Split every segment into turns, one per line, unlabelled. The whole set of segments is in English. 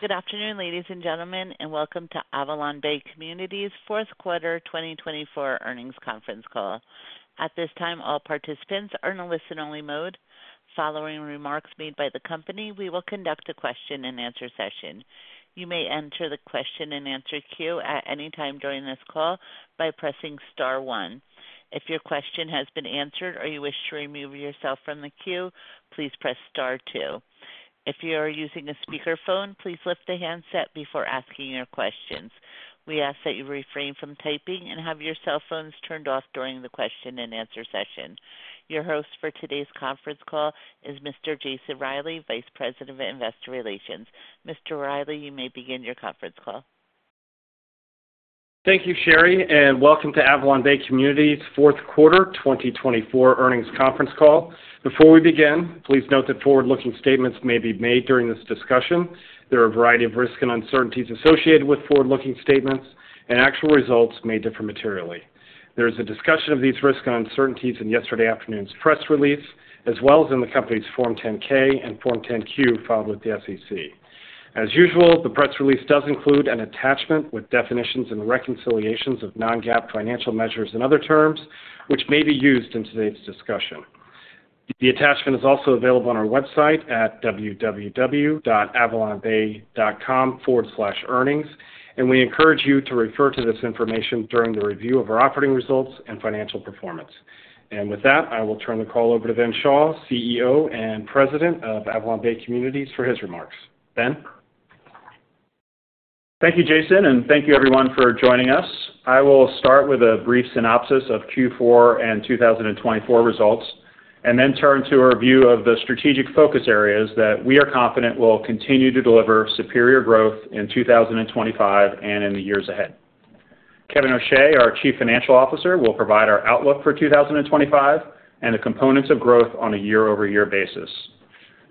Good afternoon, ladies and gentlemen, and welcome to AvalonBay Communities' Fourth Quarter 2024 earnings conference call. At this time, all participants are in a listen-only mode. Following remarks made by the company, we will conduct a question-and-answer session. You may enter the question-and-answer queue at any time during this call by pressing Star 1. If your question has been answered or you wish to remove yourself from the queue, please press Star 2. If you are using a speakerphone, please lift the handset before asking your questions. We ask that you refrain from typing and have your cell phones turned off during the question-and-answer session. Your host for today's conference call is Mr. Jason Reilley, Vice President of Investor Relations. Mr. Reilley, you may begin your conference call.
Thank you, Sherry, and welcome to AvalonBay Communities' Fourth Quarter 2024 earnings conference call. Before we begin, please note that forward-looking statements may be made during this discussion. There are a variety of risks and uncertainties associated with forward-looking statements, and actual results may differ materially. There is a discussion of these risks and uncertainties in yesterday afternoon's press release, as well as in the company's Form 10-K and Form 10-Q filed with the SEC. As usual, the press release does include an attachment with definitions and reconciliations of non-GAAP financial measures in other terms, which may be used in today's discussion. The attachment is also available on our website at www.avalonbay.com/earnings, and we encourage you to refer to this information during the review of our operating results and financial performance. With that, I will turn the call over to Ben Schall, CEO and President of AvalonBay Communities, for his remarks. Ben.
Thank you, Jason, and thank you, everyone, for joining us. I will start with a brief synopsis of Q4 and 2024 results, and then turn to a review of the strategic focus areas that we are confident will continue to deliver superior growth in 2025 and in the years ahead. Kevin O'Shea, our Chief Financial Officer, will provide our outlook for 2025 and the components of growth on a year-over-year basis.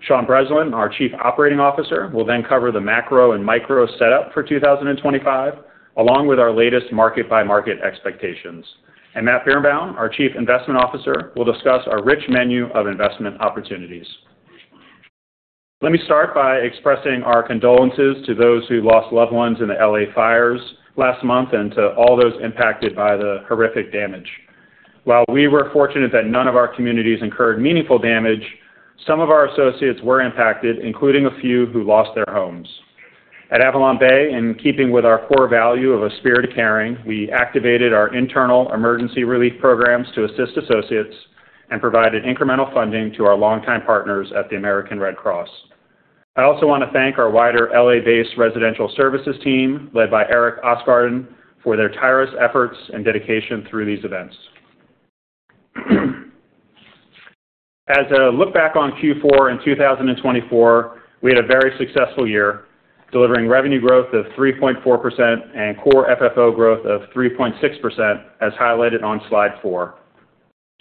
Sean Breslin, our Chief Operating Officer, will then cover the macro and micro setup for 2025, along with our latest market-by-market expectations. And Matt Birenbaum, our Chief Investment Officer, will discuss our rich menu of investment opportunities. Let me start by expressing our condolences to those who lost loved ones in the L.A. fires last month and to all those impacted by the horrific damage. While we were fortunate that none of our communities incurred meaningful damage, some of our associates were impacted, including a few who lost their homes. At AvalonBay, in keeping with our core value of a Spirit of Caring, we activated our internal emergency relief programs to assist associates and provided incremental funding to our longtime partners at the American Red Cross. I also want to thank our wider L.A.-based residential services team, led by Eric Ostgarden, for their tireless efforts and dedication through these events. As a look back on Q4 in 2024, we had a very successful year, delivering revenue growth of 3.4% and core FFO growth of 3.6%, as highlighted on slide four.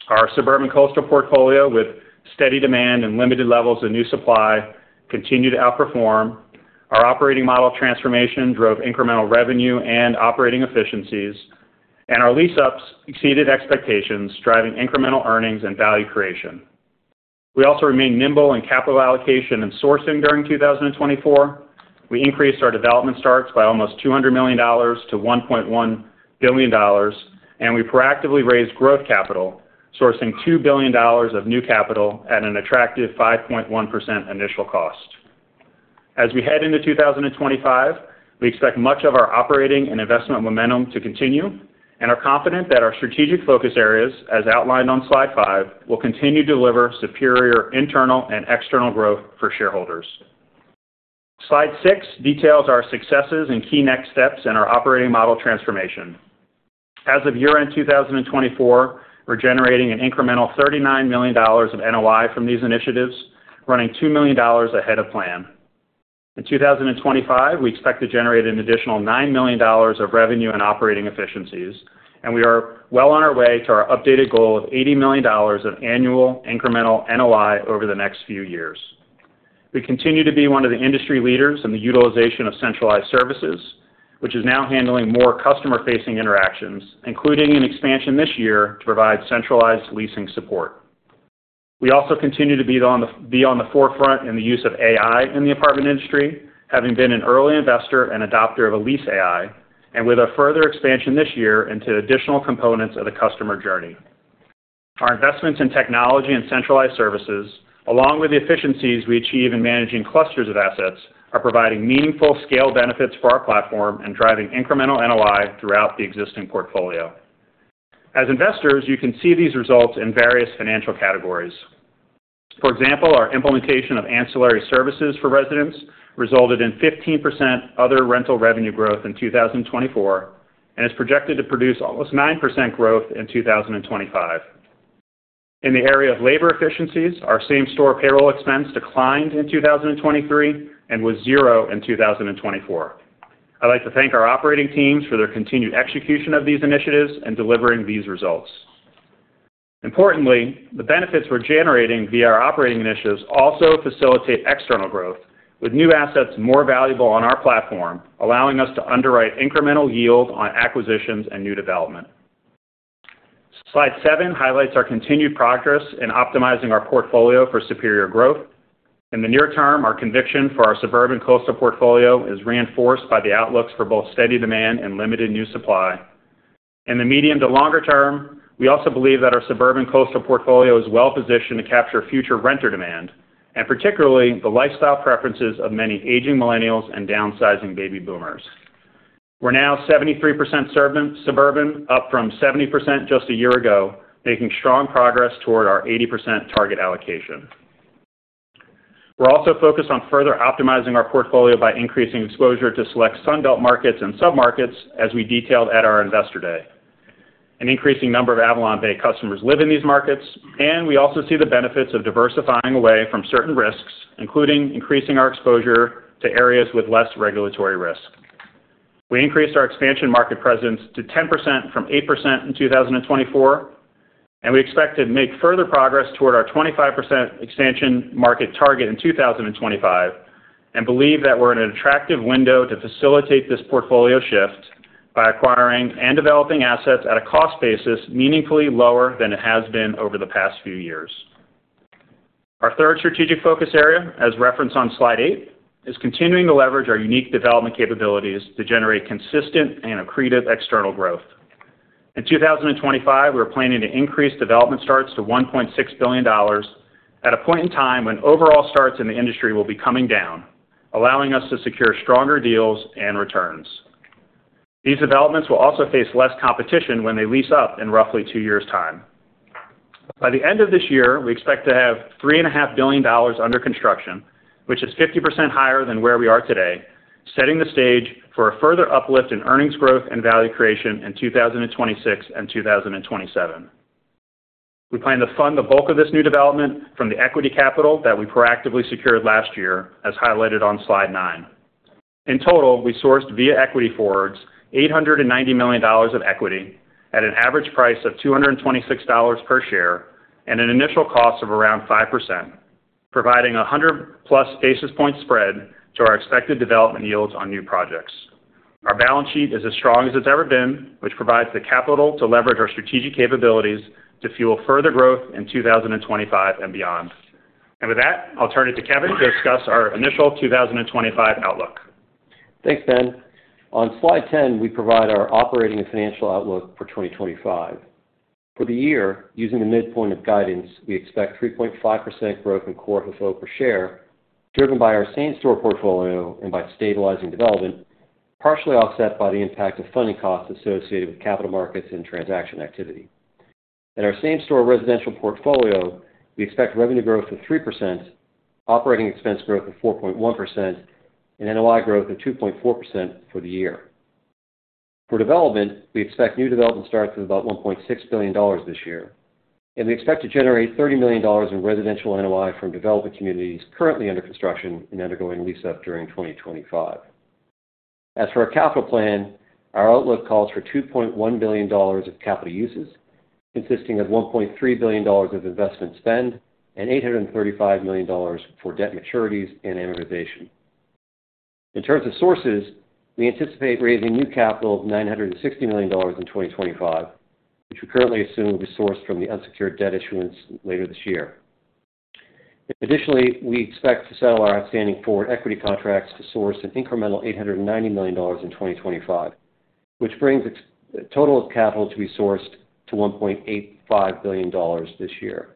Our suburban coastal portfolio, with steady demand and limited levels of new supply, continued to outperform. Our operating model transformation drove incremental revenue and operating efficiencies, and our lease-ups exceeded expectations, driving incremental earnings and value creation. We also remained nimble in capital allocation and sourcing during 2024. We increased our development starts by almost $200 million-$1.1 billion, and we proactively raised growth capital, sourcing $2 billion of new capital at an attractive 5.1% initial cost. As we head into 2025, we expect much of our operating and investment momentum to continue, and are confident that our strategic focus areas, as outlined on slide five, will continue to deliver superior internal and external growth for shareholders. Slide six details our successes and key next steps in our operating model transformation. As of year-end 2024, we're generating an incremental $39 million of NOI from these initiatives, running $2 million ahead of plan. In 2025, we expect to generate an additional $9 million of revenue and operating efficiencies, and we are well on our way to our updated goal of $80 million of annual incremental NOI over the next few years. We continue to be one of the industry leaders in the utilization of centralized services, which is now handling more customer-facing interactions, including an expansion this year to provide centralized leasing support. We also continue to be on the forefront in the use of AI in the apartment industry, having been an early investor and adopter of a lease AI, and with a further expansion this year into additional components of the customer journey. Our investments in technology and centralized services, along with the efficiencies we achieve in managing clusters of assets, are providing meaningful scale benefits for our platform and driving incremental NOI throughout the existing portfolio. As investors, you can see these results in various financial categories. For example, our implementation of ancillary services for residents resulted in 15% other rental revenue growth in 2024 and is projected to produce almost 9% growth in 2025. In the area of labor efficiencies, our same-store payroll expense declined in 2023 and was zero in 2024. I'd like to thank our operating teams for their continued execution of these initiatives and delivering these results. Importantly, the benefits we're generating via our operating initiatives also facilitate external growth, with new assets more valuable on our platform, allowing us to underwrite incremental yield on acquisitions and new development. Slide seven highlights our continued progress in optimizing our portfolio for superior growth. In the near term, our conviction for our suburban coastal portfolio is reinforced by the outlooks for both steady demand and limited new supply. In the medium to longer term, we also believe that our suburban coastal portfolio is well-positioned to capture future renter demand, and particularly the lifestyle preferences of many aging millennials and downsizing baby boomers. We're now 73% suburban, up from 70% just a year ago, making strong progress toward our 80% target allocation. We're also focused on further optimizing our portfolio by increasing exposure to select Sunbelt markets and sub-markets, as we detailed at our investor day. An increasing number of AvalonBay customers live in these markets, and we also see the benefits of diversifying away from certain risks, including increasing our exposure to areas with less regulatory risk. We increased our expansion market presence to 10% from 8% in 2024, and we expect to make further progress toward our 25% expansion market target in 2025, and believe that we're in an attractive window to facilitate this portfolio shift by acquiring and developing assets at a cost basis meaningfully lower than it has been over the past few years. Our third strategic focus area, as referenced on slide eight, is continuing to leverage our unique development capabilities to generate consistent and accretive external growth. In 2025, we are planning to increase development starts to $1.6 billion at a point in time when overall starts in the industry will be coming down, allowing us to secure stronger deals and returns. These developments will also face less competition when they lease up in roughly two years' time. By the end of this year, we expect to have $3.5 billion under construction, which is 50% higher than where we are today, setting the stage for a further uplift in earnings growth and value creation in 2026 and 2027. We plan to fund the bulk of this new development from the equity capital that we proactively secured last year, as highlighted on slide nine. In total, we sourced via equity forwards $890 million of equity at an average price of $226 per share and an initial cost of around 5%, providing a 100-plus basis point spread to our expected development yields on new projects. Our balance sheet is as strong as it's ever been, which provides the capital to leverage our strategic capabilities to fuel further growth in 2025 and beyond. And with that, I'll turn it to Kevin to discuss our initial 2025 outlook.
Thanks, Ben. On slide 10, we provide our operating and financial outlook for 2025. For the year, using the midpoint of guidance, we expect 3.5% growth in core FFO per share, driven by our same-store portfolio and by stabilizing development, partially offset by the impact of funding costs associated with capital markets and transaction activity. In our same-store residential portfolio, we expect revenue growth of 3%, operating expense growth of 4.1%, and NOI growth of 2.4% for the year. For development, we expect new development starts of about $1.6 billion this year, and we expect to generate $30 million in residential NOI from development communities currently under construction and undergoing lease-up during 2025. As for our capital plan, our outlook calls for $2.1 billion of capital uses, consisting of $1.3 billion of investment spend and $835 million for debt maturities and amortization. In terms of sources, we anticipate raising new capital of $960 million in 2025, which we currently assume will be sourced from the unsecured debt issuance later this year. Additionally, we expect to settle our outstanding forward equity contracts to source an incremental $890 million in 2025, which brings the total of capital to be sourced to $1.85 billion this year.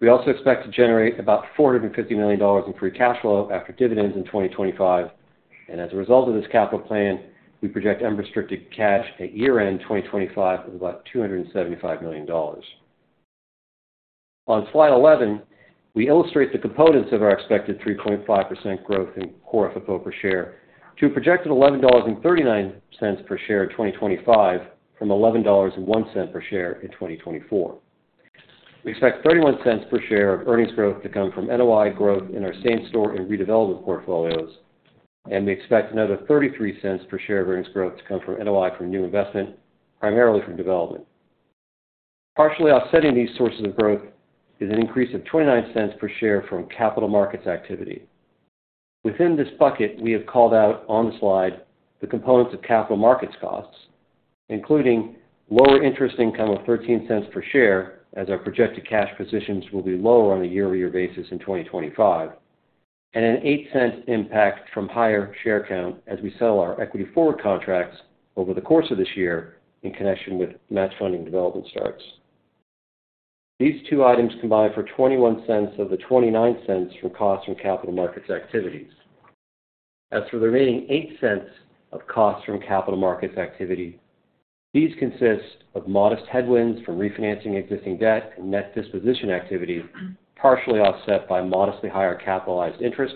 We also expect to generate about $450 million in Free Cash Flow after dividends in 2025, and as a result of this capital plan, we project unrestricted cash at year-end 2025 of about $275 million. On slide 11, we illustrate the components of our expected 3.5% growth in Core FFO per share to a projected $11.39 per share in 2025 from $11.01 per share in 2024. We expect $0.31 per share of earnings growth to come from NOI growth in our same-store and redevelopment portfolios, and we expect another $0.33 per share of earnings growth to come from NOI from new investment, primarily from development. Partially offsetting these sources of growth is an increase of $0.29 per share from capital markets activity. Within this bucket, we have called out on the slide the components of capital markets costs, including lower interest income of $0.13 per share, as our projected cash positions will be lower on a year-over-year basis in 2025, and a $0.08 impact from higher share count as we settle our equity forward contracts over the course of this year in connection with matched funding development starts. These two items combine for $0.21 of the $0.29 from costs from capital markets activities. As for the remaining $0.08 of costs from capital markets activity, these consist of modest headwinds from refinancing existing debt and net disposition activity, partially offset by modestly higher capitalized interest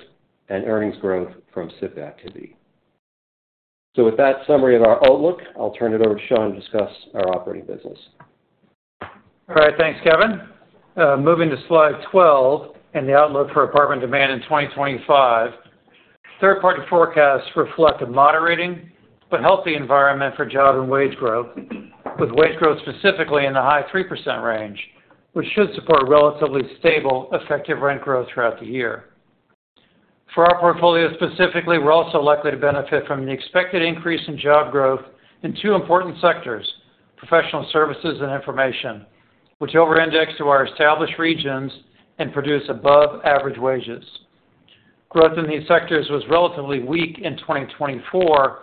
and earnings growth from SIPA activity. So with that summary of our outlook, I'll turn it over to Sean to discuss our operating business.
All right, thanks, Kevin. Moving to slide 12 and the outlook for apartment demand in 2025, third-party forecasts reflect a moderating but healthy environment for job and wage growth, with wage growth specifically in the high 3% range, which should support relatively stable, effective rent growth throughout the year. For our portfolio specifically, we're also likely to benefit from the expected increase in job growth in two important sectors, professional services and information, which over-index to our established regions and produce above-average wages. Growth in these sectors was relatively weak in 2024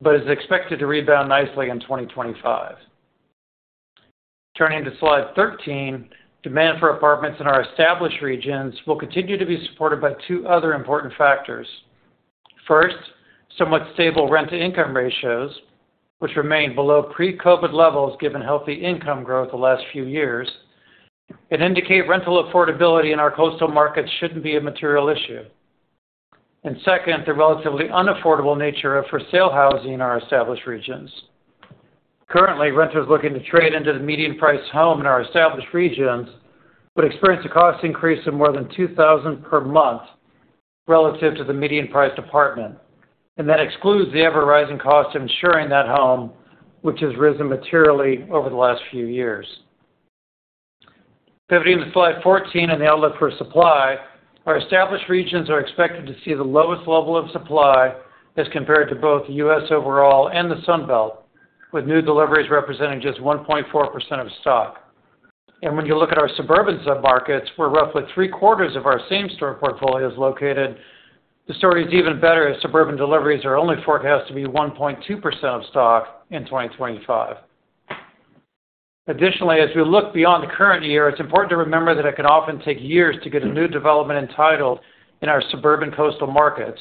but is expected to rebound nicely in 2025. Turning to slide 13, demand for apartments in our established regions will continue to be supported by two other important factors. First, somewhat stable rent-to-income ratios, which remain below pre-COVID levels given healthy income growth the last few years, and indicate rental affordability in our coastal markets shouldn't be a material issue, and second, the relatively unaffordable nature of for-sale housing in our established regions. Currently, renters looking to trade into the median-priced home in our established regions would experience a cost increase of more than $2,000 per month relative to the median-priced apartment, and that excludes the ever-rising cost of insuring that home, which has risen materially over the last few years. Pivoting to slide 14 and the outlook for supply, our established regions are expected to see the lowest level of supply as compared to both the U.S. overall and the Sunbelt, with new deliveries representing just 1.4% of stock. When you look at our suburban sub-markets, where roughly three-quarters of our same-store portfolio is located, the story is even better as suburban deliveries are only forecast to be 1.2% of stock in 2025. Additionally, as we look beyond the current year, it's important to remember that it can often take years to get a new development entitled in our suburban coastal markets,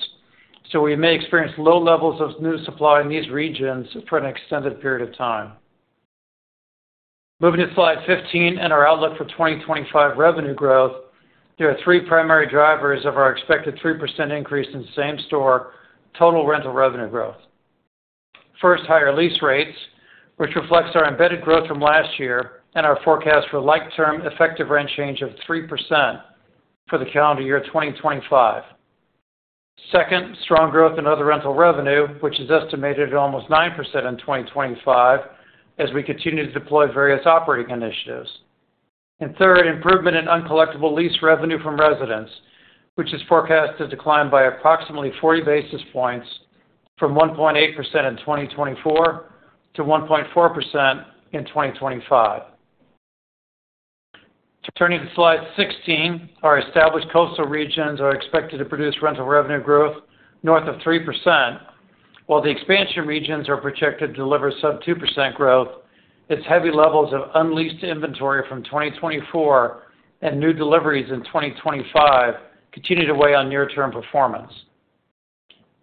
so we may experience low levels of new supply in these regions for an extended period of time. Moving to slide 15 and our outlook for 2025 revenue growth, there are three primary drivers of our expected 3% increase in same-store total rental revenue growth. First, higher lease rates, which reflects our embedded growth from last year and our forecast for a like-term effective rent change of 3% for the calendar year 2025. Second, strong growth in other rental revenue, which is estimated at almost 9% in 2025 as we continue to deploy various operating initiatives. And third, improvement in uncollectible lease revenue from residents, which is forecast to decline by approximately 40 basis points from 1.8% in 2024 to 1.4% in 2025. Turning to slide 16, our established coastal regions are expected to produce rental revenue growth north of 3%, while the expansion regions are projected to deliver sub-2% growth as heavy levels of unleased inventory from 2024 and new deliveries in 2025 continue to weigh on near-term performance.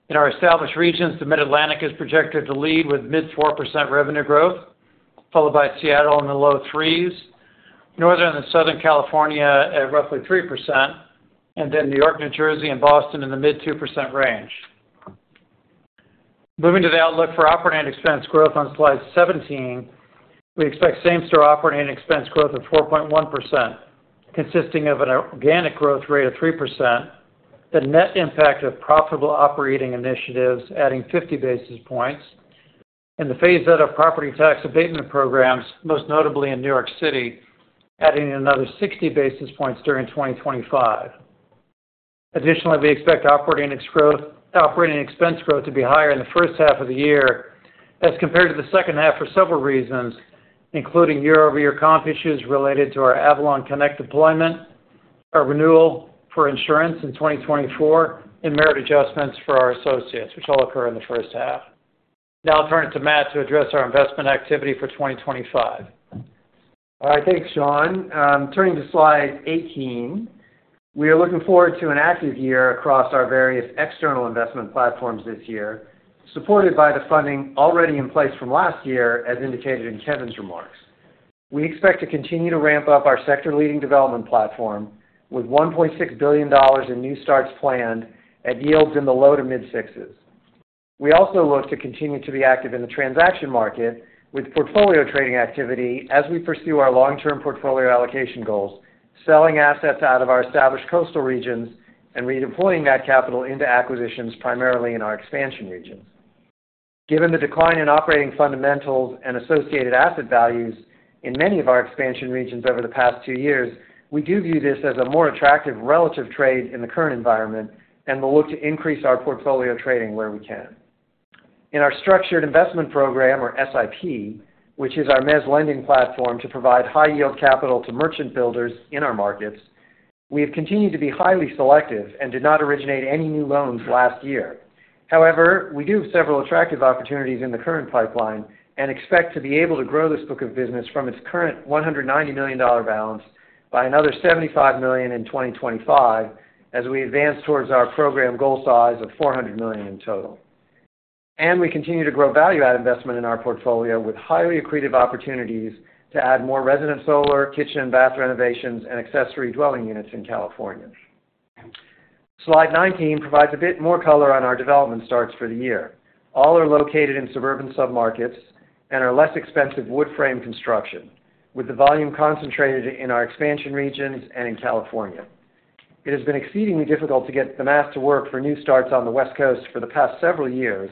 In our established regions, the Mid-Atlantic is projected to lead with mid-4% revenue growth, followed by Seattle in the low threes, Northern and Southern California at roughly 3%, and then New York, New Jersey, and Boston in the mid-2% range. Moving to the outlook for operating expense growth on slide 17, we expect same-store operating expense growth of 4.1%, consisting of an organic growth rate of 3%, the net impact of profitable operating initiatives adding 50 basis points, and the phase-out of property tax abatement programs, most notably in New York City, adding another 60 basis points during 2025. Additionally, we expect operating expense growth to be higher in the first half of the year as compared to the second half for several reasons, including year-over-year comp issues related to our AvalonConnect deployment, our renewal for insurance in 2024, and merit adjustments for our associates, which all occur in the first half. Now I'll turn it to Matt to address our investment activity for 2025.
All right, thanks, Sean. Turning to slide 18, we are looking forward to an active year across our various external investment platforms this year, supported by the funding already in place from last year, as indicated in Kevin's remarks. We expect to continue to ramp up our sector-leading development platform with $1.6 billion in new starts planned at yields in the low to mid-sixes. We also look to continue to be active in the transaction market with portfolio trading activity as we pursue our long-term portfolio allocation goals, selling assets out of our established coastal regions and redeploying that capital into acquisitions primarily in our expansion regions. Given the decline in operating fundamentals and associated asset values in many of our expansion regions over the past two years, we do view this as a more attractive relative trade in the current environment and will look to increase our portfolio trading where we can. In our structured investment program, or SIP, which is our mezz lending platform to provide high-yield capital to merchant builders in our markets, we have continued to be highly selective and did not originate any new loans last year. However, we do have several attractive opportunities in the current pipeline and expect to be able to grow this book of business from its current $190 million balance by another $75 million in 2025 as we advance towards our program goal size of $400 million in total. We continue to grow value-add investment in our portfolio with highly accretive opportunities to add more resident solar, kitchen and bath renovations, and accessory dwelling units in California. Slide 19 provides a bit more color on our development starts for the year. All are located in suburban sub-markets and are less expensive wood frame construction, with the volume concentrated in our expansion regions and in California. It has been exceedingly difficult to get the math to work for new starts on the West Coast for the past several years,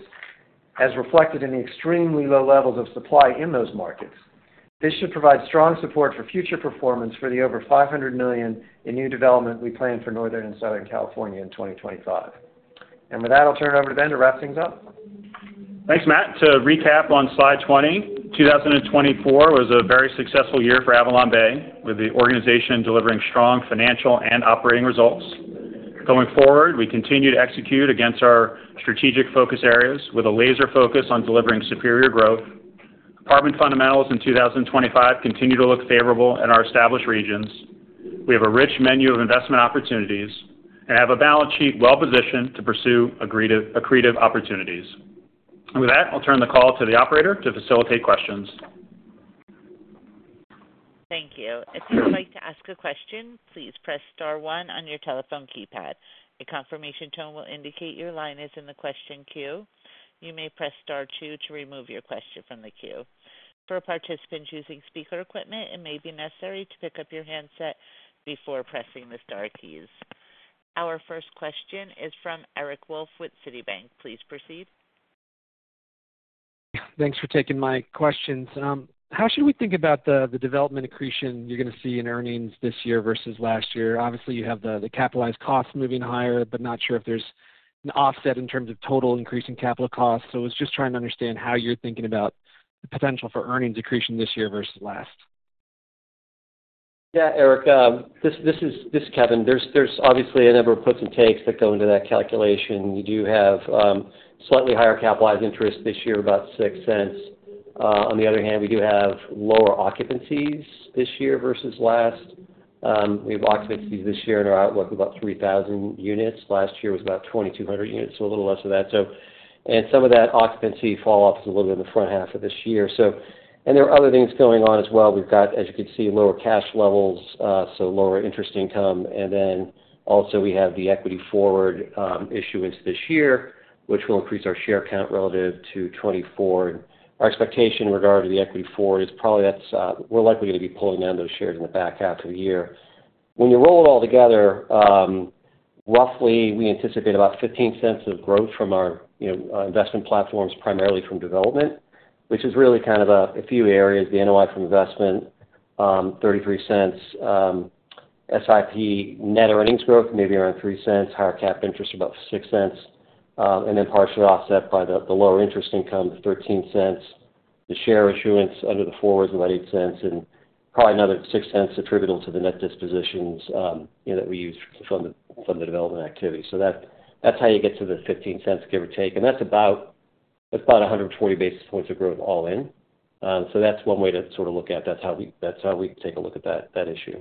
as reflected in the extremely low levels of supply in those markets. This should provide strong support for future performance for the over $500 million in new development we plan for Northern and Southern California in 2025. With that, I'll turn it over to Ben to wrap things up.
Thanks, Matt. To recap on slide 20, 2024 was a very successful year for AvalonBay, with the organization delivering strong financial and operating results. Going forward, we continue to execute against our strategic focus areas with a laser focus on delivering superior growth. Apartment fundamentals in 2025 continue to look favorable in our established regions. We have a rich menu of investment opportunities and have a balance sheet well-positioned to pursue accretive opportunities. And with that, I'll turn the call to the operator to facilitate questions.
Thank you. If you would like to ask a question, please press Star 1 on your telephone keypad. A confirmation tone will indicate your line is in the question queue. You may press Star 2 to remove your question from the queue. For participants using speaker equipment, it may be necessary to pick up your handset before pressing the Star keys. Our first question is from Eric Wolfe with Citibank. Please proceed.
Thanks for taking my questions. How should we think about the development accretion you're going to see in earnings this year versus last year? Obviously, you have the capitalized costs moving higher, but not sure if there's an offset in terms of total increase in capital costs. So I was just trying to understand how you're thinking about the potential for earnings accretion this year versus last.
Yeah, Eric, this is Kevin. There's obviously a number of puts and takes that go into that calculation. You do have slightly higher capitalized interest this year, about $0.06. On the other hand, we do have lower occupancies this year versus last. We have occupancies this year in our outlook of about 3,000 units. Last year was about 2,200 units, so a little less than that. And some of that occupancy falloff is a little bit in the front half of this year. And there are other things going on as well. We've got, as you can see, lower cash levels, so lower interest income. And then also we have the equity forward issue into this year, which will increase our share count relative to 2024. Our expectation in regard to the equity forward is probably that we're likely going to be pulling down those shares in the back half of the year. When you roll it all together, roughly we anticipate about $0.15 of growth from our investment platforms, primarily from development, which is really kind of a few areas: the NOI from investment, $0.33, SIP net earnings growth, maybe around $0.03, higher cap interest about $0.06, and then partially offset by the lower interest income, $0.13. The share issuance under the forward is about $0.08, and probably another $0.06 attributable to the net dispositions that we use from the development activity. So that's how you get to the $0.15, give or take. And that's about 140 basis points of growth all in. So that's one way to sort of look at that. That's how we take a look at that issue.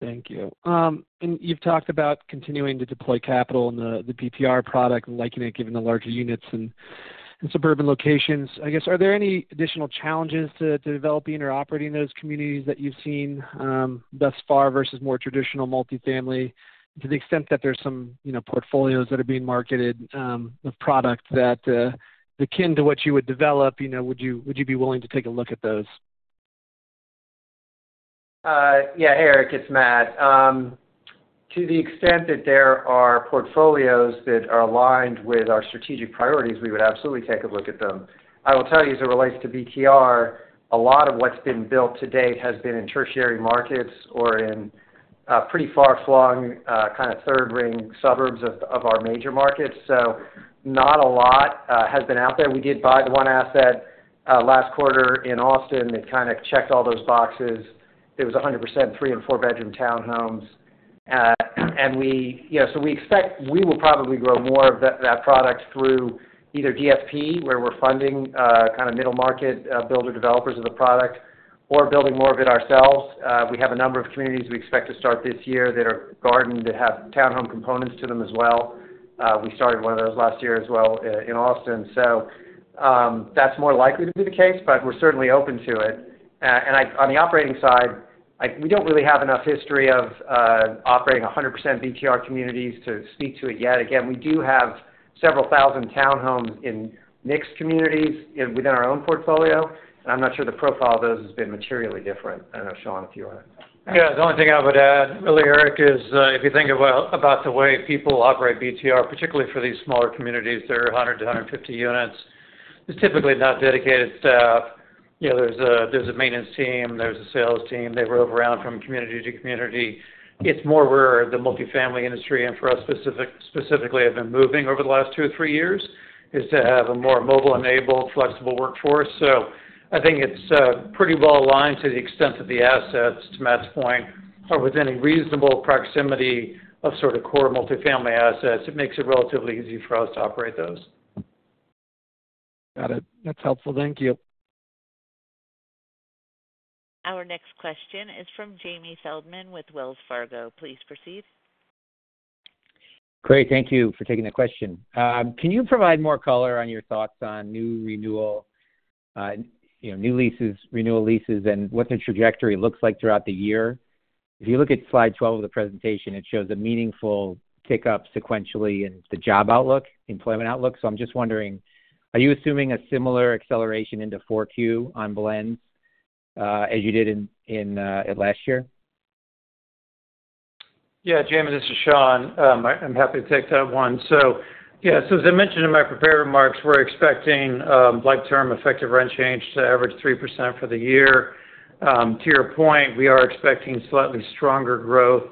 Thank you. And you've talked about continuing to deploy capital in the BTR product, liking it given the larger units and suburban locations. I guess, are there any additional challenges to developing or operating those communities that you've seen thus far versus more traditional multifamily to the extent that there's some portfolios that are being marketed of product that are akin to what you would develop? Would you be willing to take a look at those?
Yeah, hey, Eric, it's Matt. To the extent that there are portfolios that are aligned with our strategic priorities, we would absolutely take a look at them. I will tell you, as it relates to BTR, a lot of what's been built to date has been in tertiary markets or in pretty far-flung kind of third-ring suburbs of our major markets. So not a lot has been out there. We did buy the one asset last quarter in Austin. It kind of checked all those boxes. It was 100% three and four-bedroom townhomes. And so we expect we will probably grow more of that product through either DFP, where we're funding kind of middle-market builder developers of the product, or building more of it ourselves. We have a number of communities we expect to start this year that are gardened that have townhome components to them as well. We started one of those last year as well in Austin. So that's more likely to be the case, but we're certainly open to it. And on the operating side, we don't really have enough history of operating 100% BTR communities to speak to it yet. Again, we do have several thousand townhomes in mixed communities within our own portfolio, and I'm not sure the profile of those has been materially different. I don't know, Sean, if you want to.
Yeah, the only thing I would add, really, Eric, is if you think about the way people operate BTR, particularly for these smaller communities that are 100-150 units, there's typically not dedicated staff. There's a maintenance team. There's a sales team. They rove around from community to community. It's more where the multifamily industry, and for us specifically, have been moving over the last two or three years is to have a more mobile-enabled, flexible workforce. So I think it's pretty well aligned to the extent that the assets, to Matt's point, are within a reasonable proximity of sort of core multifamily assets. It makes it relatively easy for us to operate those.
Got it. That's helpful. Thank you.
Our next question is from Jamie Feldman with Wells Fargo. Please proceed.
Great. Thank you for taking the question. Can you provide more color on your thoughts on new renewal, new leases, renewal leases, and what the trajectory looks like throughout the year? If you look at slide 12 of the presentation, it shows a meaningful pickup sequentially in the job outlook, employment outlook. So I'm just wondering, are you assuming a similar acceleration into 4Q on blends as you did last year?
Yeah, Jamie, this is Sean. I'm happy to take that one. So yeah, so as I mentioned in my prepared remarks, we're expecting like-term effective rent change to average 3% for the year. To your point, we are expecting slightly stronger growth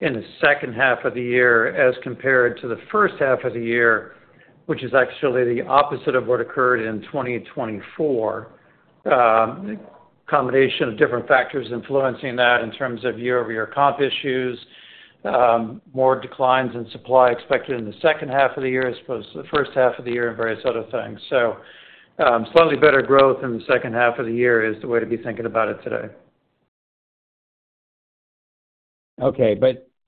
in the second half of the year as compared to the first half of the year, which is actually the opposite of what occurred in 2024. A combination of different factors influencing that in terms of year-over-year comp issues, more declines in supply expected in the second half of the year as opposed to the first half of the year, and various other things. So slightly better growth in the second half of the year is the way to be thinking about it today.
Okay.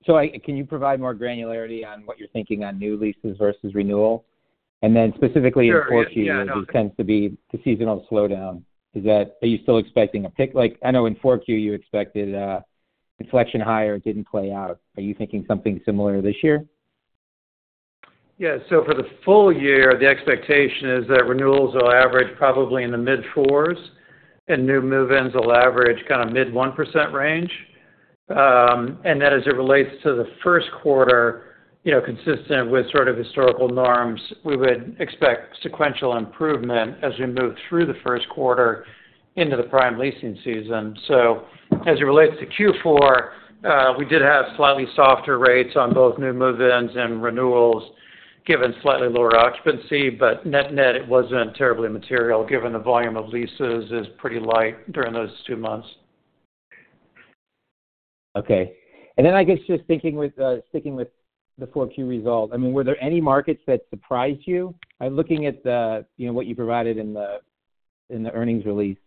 So can you provide more granularity on what you're thinking on new leases versus renewal? And then specifically in 4Q, there tends to be the seasonal slowdown. Are you still expecting a pickup? I know in 4Q, you expected inflection higher didn't play out. Are you thinking something similar this year?
Yeah. So for the full year, the expectation is that renewals will average probably in the mid-4s, and new move-ins will average kind of mid-1% range. And then as it relates to the first quarter, consistent with sort of historical norms, we would expect sequential improvement as we move through the first quarter into the prime leasing season. So as it relates to Q4, we did have slightly softer rates on both new move-ins and renewals given slightly lower occupancy, but net-net, it wasn't terribly material given the volume of leases is pretty light during those two months.
Okay. And then I guess just sticking with the 4Q result, I mean, were there any markets that surprised you? Looking at what you provided in the earnings release,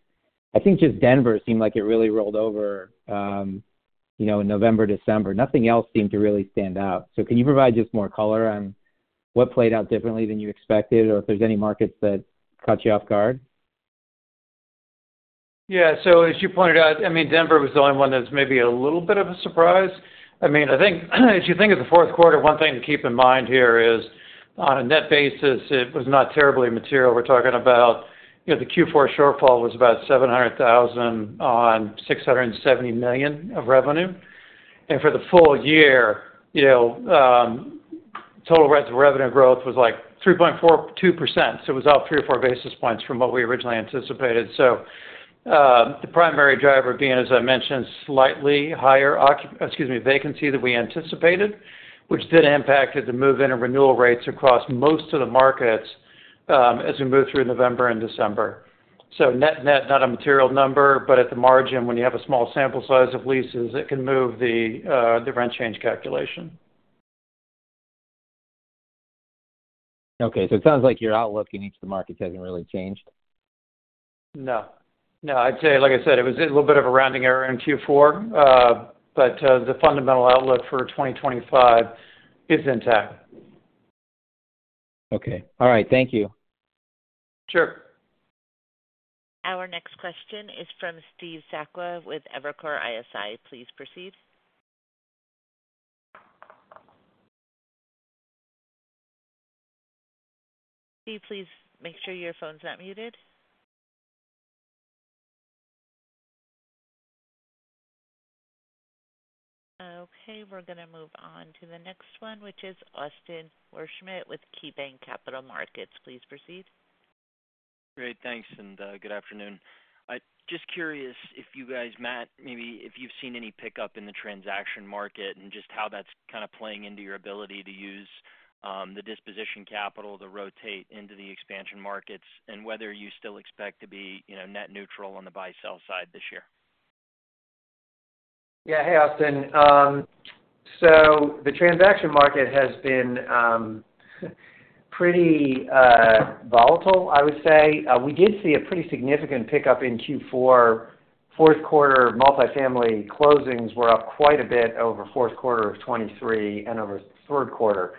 I think just Denver seemed like it really rolled over in November, December. Nothing else seemed to really stand out. So can you provide just more color on what played out differently than you expected, or if there's any markets that caught you off guard?
Yeah. So as you pointed out, I mean, Denver was the only one that was maybe a little bit of a surprise. I mean, I think as you think of the fourth quarter, one thing to keep in mind here is on a net basis, it was not terribly material. We're talking about the Q4 shortfall was about $700,000 on $670 million of revenue. And for the full year, total revenue growth was like 3.42%. So it was up three or four basis points from what we originally anticipated. So the primary driver being, as I mentioned, slightly higher vacancy that we anticipated, which did impact the move-in and renewal rates across most of the markets as we move through November and December. So net-net, not a material number, but at the margin, when you have a small sample size of leases, it can move the rent change calculation.
Okay. So it sounds like your outlook in each of the markets hasn't really changed.
No. No. I'd say, like I said, it was a little bit of a rounding error in Q4, but the fundamental outlook for 2025 is intact.
Okay. All right. Thank you.
Sure.
Our next question is from Steve Sakwa with Evercore ISI. Please proceed. Steve, please make sure your phone's not muted. Okay. We're going to move on to the next one, which is Austin Wurschmidt with KeyBank Capital Markets. Please proceed.
Great. Thanks, and good afternoon. Just curious if you guys, Matt, maybe if you've seen any pickup in the transaction market and just how that's kind of playing into your ability to use the disposition capital to rotate into the expansion markets and whether you still expect to be net neutral on the buy-sell side this year?
Yeah. Hey, Austin. So the transaction market has been pretty volatile, I would say. We did see a pretty significant pickup in Q4. Fourth quarter multifamily closings were up quite a bit over fourth quarter of 2023 and over third quarter.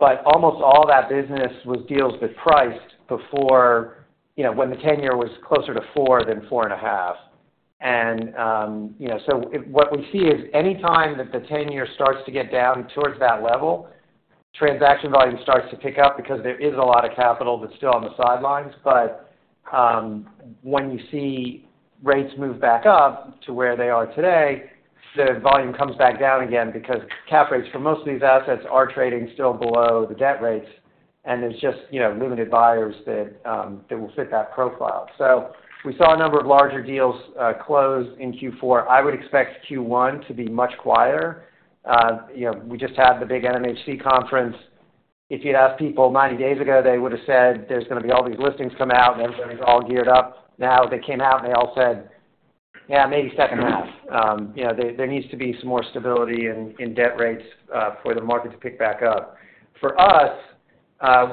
But almost all that business was deals that priced before when the tenure was closer to four than four and a half. And so what we see is anytime that the tenure starts to get down towards that level, transaction volume starts to pick up because there is a lot of capital that's still on the sidelines. But when you see rates move back up to where they are today, the volume comes back down again because cap rates for most of these assets are trading still below the debt rates, and there's just limited buyers that will fit that profile. We saw a number of larger deals close in Q4. I would expect Q1 to be much quieter. We just had the big NMHC conference. If you'd ask people 90 days ago, they would have said, "There's going to be all these listings come out, and everybody's all geared up." Now they came out, and they all said, "Yeah, maybe second half." There needs to be some more stability in debt rates for the market to pick back up. For us,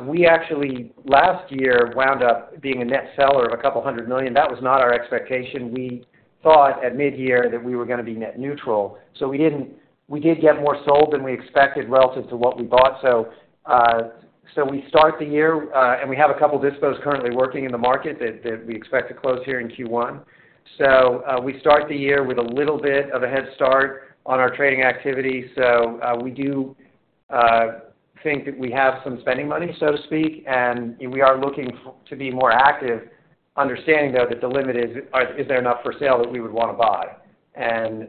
we actually last year wound up being a net seller of $200 million. That was not our expectation. We thought at midyear that we were going to be net neutral. So we did get more sold than we expected relative to what we bought. So we start the year, and we have a couple dispositions currently working in the market that we expect to close here in Q1. So we start the year with a little bit of a head start on our trading activity. So we do think that we have some spending money, so to speak, and we are looking to be more active, understanding, though, that the limit is, is there enough for sale that we would want to buy? And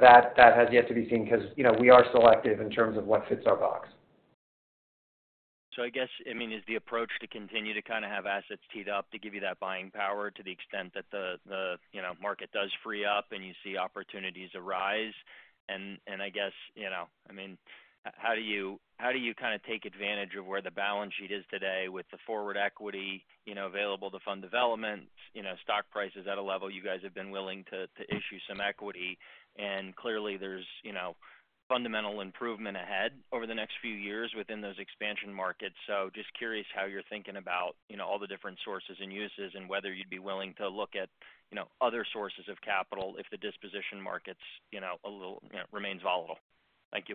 that has yet to be seen because we are selective in terms of what fits our box.
So I guess, I mean, is the approach to continue to kind of have assets teed up to give you that buying power to the extent that the market does free up and you see opportunities arise? And I guess, I mean, how do you kind of take advantage of where the balance sheet is today with the forward equity available to fund development, stock prices at a level you guys have been willing to issue some equity? And clearly, there's fundamental improvement ahead over the next few years within those expansion markets. So just curious how you're thinking about all the different sources and uses and whether you'd be willing to look at other sources of capital if the disposition markets remains volatile. Thank you.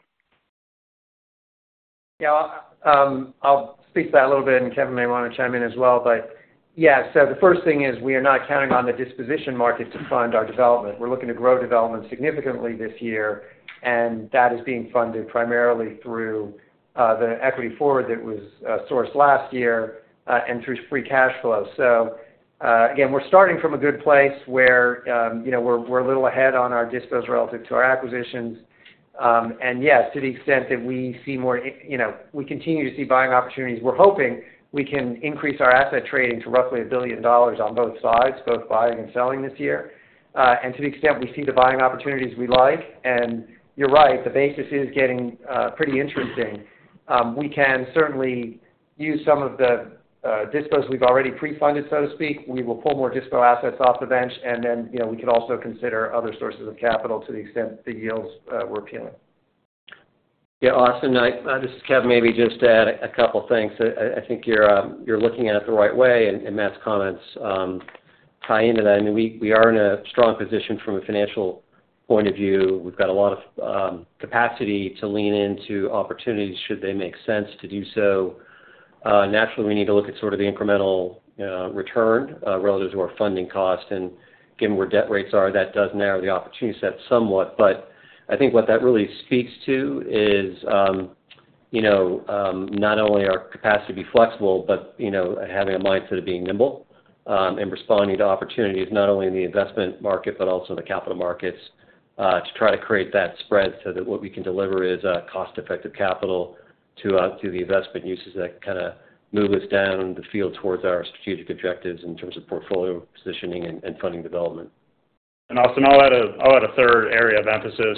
Yeah. I'll speak to that a little bit, and Kevin may want to chime in as well. But yeah, so the first thing is we are not counting on the disposition market to fund our development. We're looking to grow development significantly this year, and that is being funded primarily through the equity forward that was sourced last year and through free cash flow. So again, we're starting from a good place where we're a little ahead on our dispos relative to our acquisitions. And yeah, to the extent that we see more we continue to see buying opportunities. We're hoping we can increase our asset trading to roughly $1 billion on both sides, both buying and selling this year. And to the extent we see the buying opportunities we like, and you're right, the basis is getting pretty interesting. We can certainly use some of the dispos we've already pre-funded, so to speak. We will pull more dispo assets off the bench, and then we could also consider other sources of capital to the extent the yields were appealing.
Yeah. Austin, this is Kevin. Maybe just to add a couple of things. I think you're looking at it the right way, and Matt's comments tie into that. I mean, we are in a strong position from a financial point of view. We've got a lot of capacity to lean into opportunities should they make sense to do so. Naturally, we need to look at sort of the incremental return relative to our funding cost. And given where debt rates are, that does narrow the opportunity set somewhat. But I think what that really speaks to is not only our capacity to be flexible, but having a mindset of being nimble and responding to opportunities, not only in the investment market, but also the capital markets, to try to create that spread so that what we can deliver is cost-effective capital to the investment uses that kind of move us down the field towards our strategic objectives in terms of portfolio positioning and funding development.
Austin, I'll add a third area of emphasis,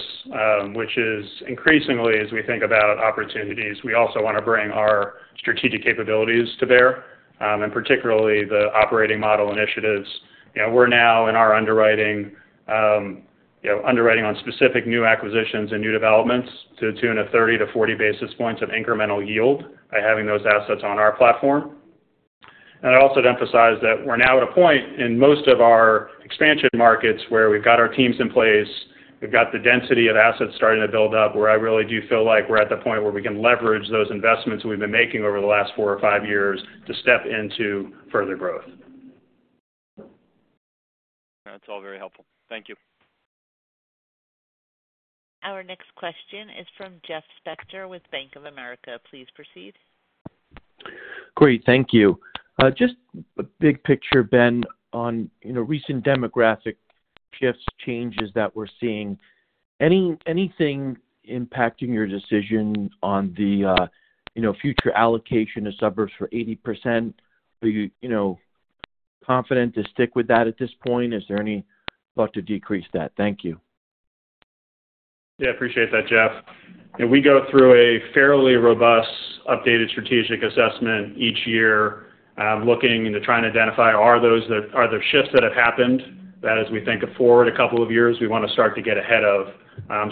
which is increasingly, as we think about opportunities, we also want to bring our strategic capabilities to bear, and particularly the operating model initiatives. We're now in our underwriting on specific new acquisitions and new developments to tune a 30-40 basis points of incremental yield by having those assets on our platform. And I'd also emphasize that we're now at a point in most of our expansion markets where we've got our teams in place. We've got the density of assets starting to build up where I really do feel like we're at the point where we can leverage those investments we've been making over the last four or five years to step into further growth.
That's all very helpful. Thank you.
Our next question is from Jeff Spector with Bank of America. Please proceed.
Great. Thank you. Just a big picture, Ben, on recent demographic shifts, changes that we're seeing. Anything impacting your decision on the future allocation of suburbs for 80%? Are you confident to stick with that at this point? Is there any thought to decrease that? Thank you.
Yeah. I appreciate that, Jeff. We go through a fairly robust updated strategic assessment each year looking into trying to identify, are there shifts that have happened that, as we think of forward a couple of years, we want to start to get ahead of?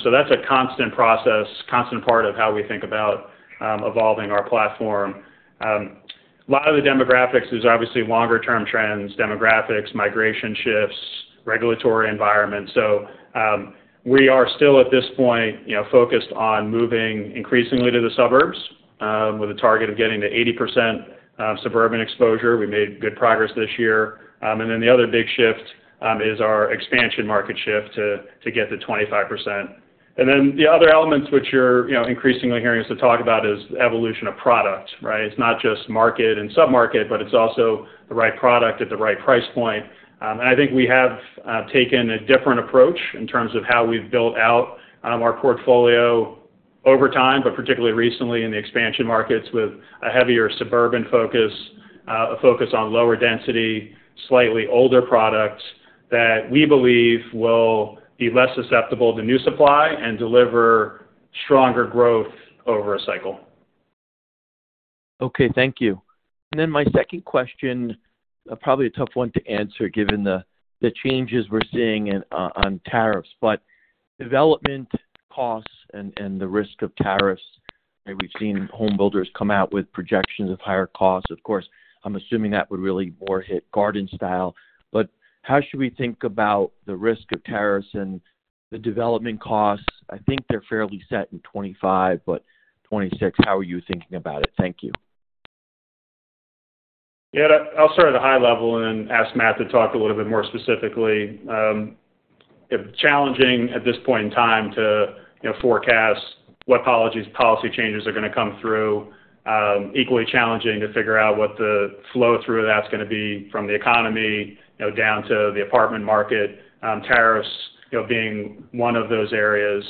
So that's a constant process, constant part of how we think about evolving our platform. A lot of the demographics, there's obviously longer-term trends, demographics, migration shifts, regulatory environment. So we are still at this point focused on moving increasingly to the suburbs with a target of getting to 80% suburban exposure. We made good progress this year. And then the other big shift is our expansion market shift to get to 25%. And then the other elements which you're increasingly hearing us talk about is the evolution of product, right? It's not just market and submarket, but it's also the right product at the right price point. And I think we have taken a different approach in terms of how we've built out our portfolio over time, but particularly recently in the expansion markets with a heavier suburban focus, a focus on lower density, slightly older products that we believe will be less susceptible to new supply and deliver stronger growth over a cycle.
Okay. Thank you. And then my second question, probably a tough one to answer given the changes we're seeing on tariffs, but development costs and the risk of tariffs. We've seen homebuilders come out with projections of higher costs. Of course, I'm assuming that would really more hit garden style. But how should we think about the risk of tariffs and the development costs? I think they're fairly set in 2025, but 2026, how are you thinking about it? Thank you.
Yeah. I'll start at a high level and then ask Matt to talk a little bit more specifically. Challenging at this point in time to forecast what policy changes are going to come through. Equally challenging to figure out what the flow through of that's going to be from the economy down to the apartment market. Tariffs being one of those areas.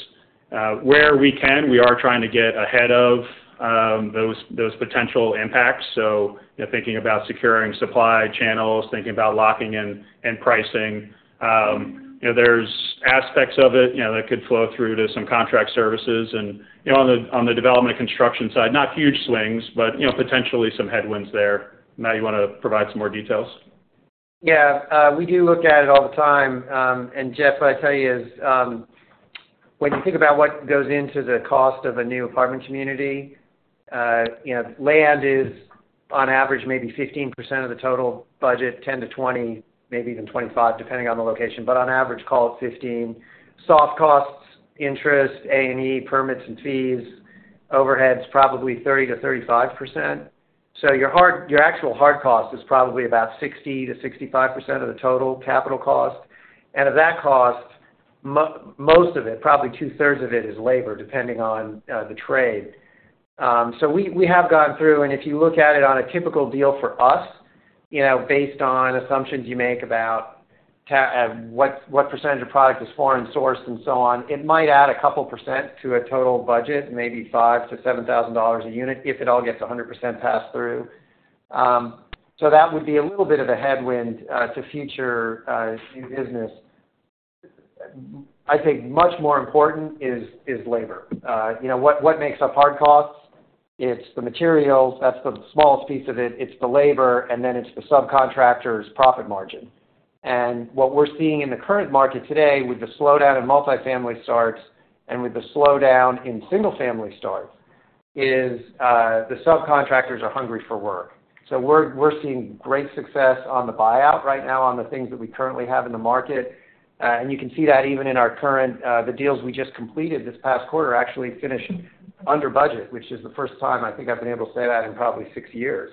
Where we can, we are trying to get ahead of those potential impacts. So thinking about securing supply channels, thinking about locking in pricing. There's aspects of it that could flow through to some contract services. And on the development and construction side, not huge swings, but potentially some headwinds there. Matt, you want to provide some more details?
Yeah. We do look at it all the time, and Jeff, what I tell you is when you think about what goes into the cost of a new apartment community, land is on average maybe 15% of the total budget, 10%-20%, maybe even 25%, depending on the location. But on average, call it 15%. Soft costs, interest, A&E, permits and fees, overheads, probably 30%-35%. So your actual hard cost is probably about 60%-65% of the total capital cost. And of that cost, most of it, probably two-thirds of it, is labor, depending on the trade. So we have gone through, and if you look at it on a typical deal for us, based on assumptions you make about what percentage of product is foreign sourced and so on, it might add a couple % to a total budget, maybe $5,000-$7,000 a unit if it all gets 100% passed through. So that would be a little bit of a headwind to future new business. I think much more important is labor. What makes up hard costs? It's the materials. That's the smallest piece of it. It's the labor, and then it's the subcontractor's profit margin. And what we're seeing in the current market today with the slowdown in multifamily starts and with the slowdown in single-family starts is the subcontractors are hungry for work. We're seeing great success on the buildout right now on the things that we currently have in the market. You can see that even in our current deals we just completed this past quarter actually finished under budget, which is the first time I think I've been able to say that in probably six years.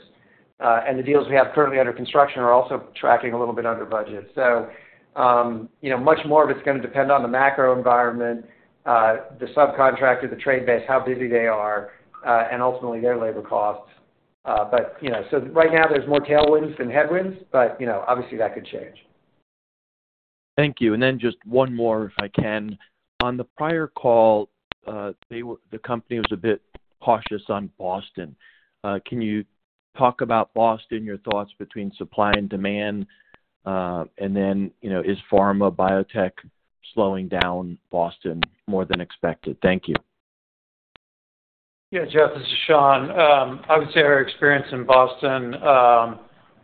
The deals we have currently under construction are also tracking a little bit under budget. Much more of it's going to depend on the macro environment, the subcontractors, the trade base, how busy they are, and ultimately their labor costs. Right now, there's more tailwinds than headwinds, but obviously that could change.
Thank you. And then just one more, if I can. On the prior call, the company was a bit cautious on Boston. Can you talk about Boston, your thoughts between supply and demand? And then is pharma, biotech slowing down Boston more than expected? Thank you.
Yeah. Jeff, this is Sean. I would say our experience in Boston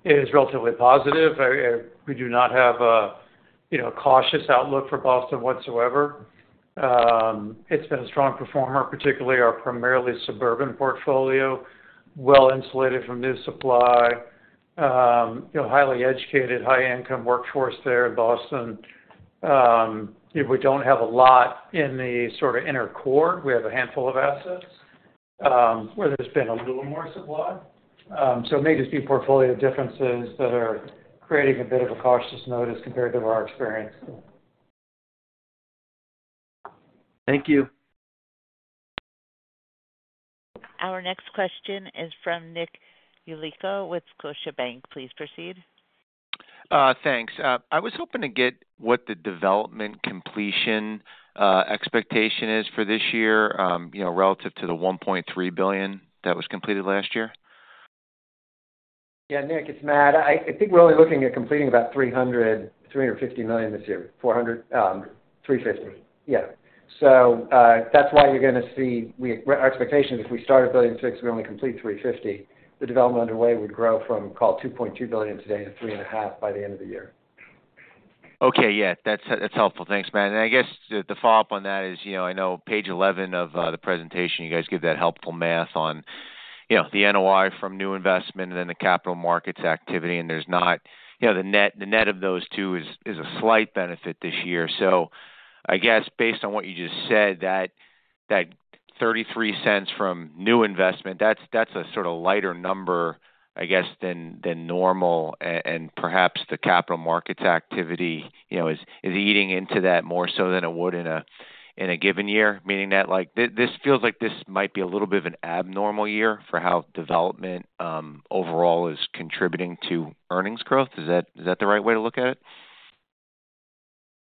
is relatively positive. We do not have a cautious outlook for Boston whatsoever. It's been a strong performer, particularly our primarily suburban portfolio, well insulated from new supply, highly educated, high-income workforce there in Boston. We don't have a lot in the sort of inner core. We have a handful of assets where there's been a little more supply. So maybe it's the portfolio differences that are creating a bit of a cautious note as compared to our experience.
Thank you.
Our next question is from Nick Yulico with Scotiabank. Please proceed.
Thanks. I was hoping to get what the development completion expectation is for this year relative to the $1.3 billion that was completed last year.
Yeah. Nick, it's Matt. I think we're only looking at completing about $350 million this year, 350. Yeah. So that's why you're going to see our expectation is if we start at $1.6 billion, we only complete 350. The development underway would grow from, call it $2.2 billion today to $3.5 billion by the end of the year.
Okay. Yeah. That's helpful. Thanks, Matt, and I guess the follow-up on that is I know page 11 of the presentation, you guys give that helpful math on the NOI from new investment and then the capital markets activity, and the net of those two is a slight benefit this year, so I guess based on what you just said, that $0.33 from new investment, that's a sort of lighter number, I guess, than normal, and perhaps the capital markets activity is eating into that more so than it would in a given year, meaning that this feels like this might be a little bit of an abnormal year for how development overall is contributing to earnings growth. Is that the right way to look at it?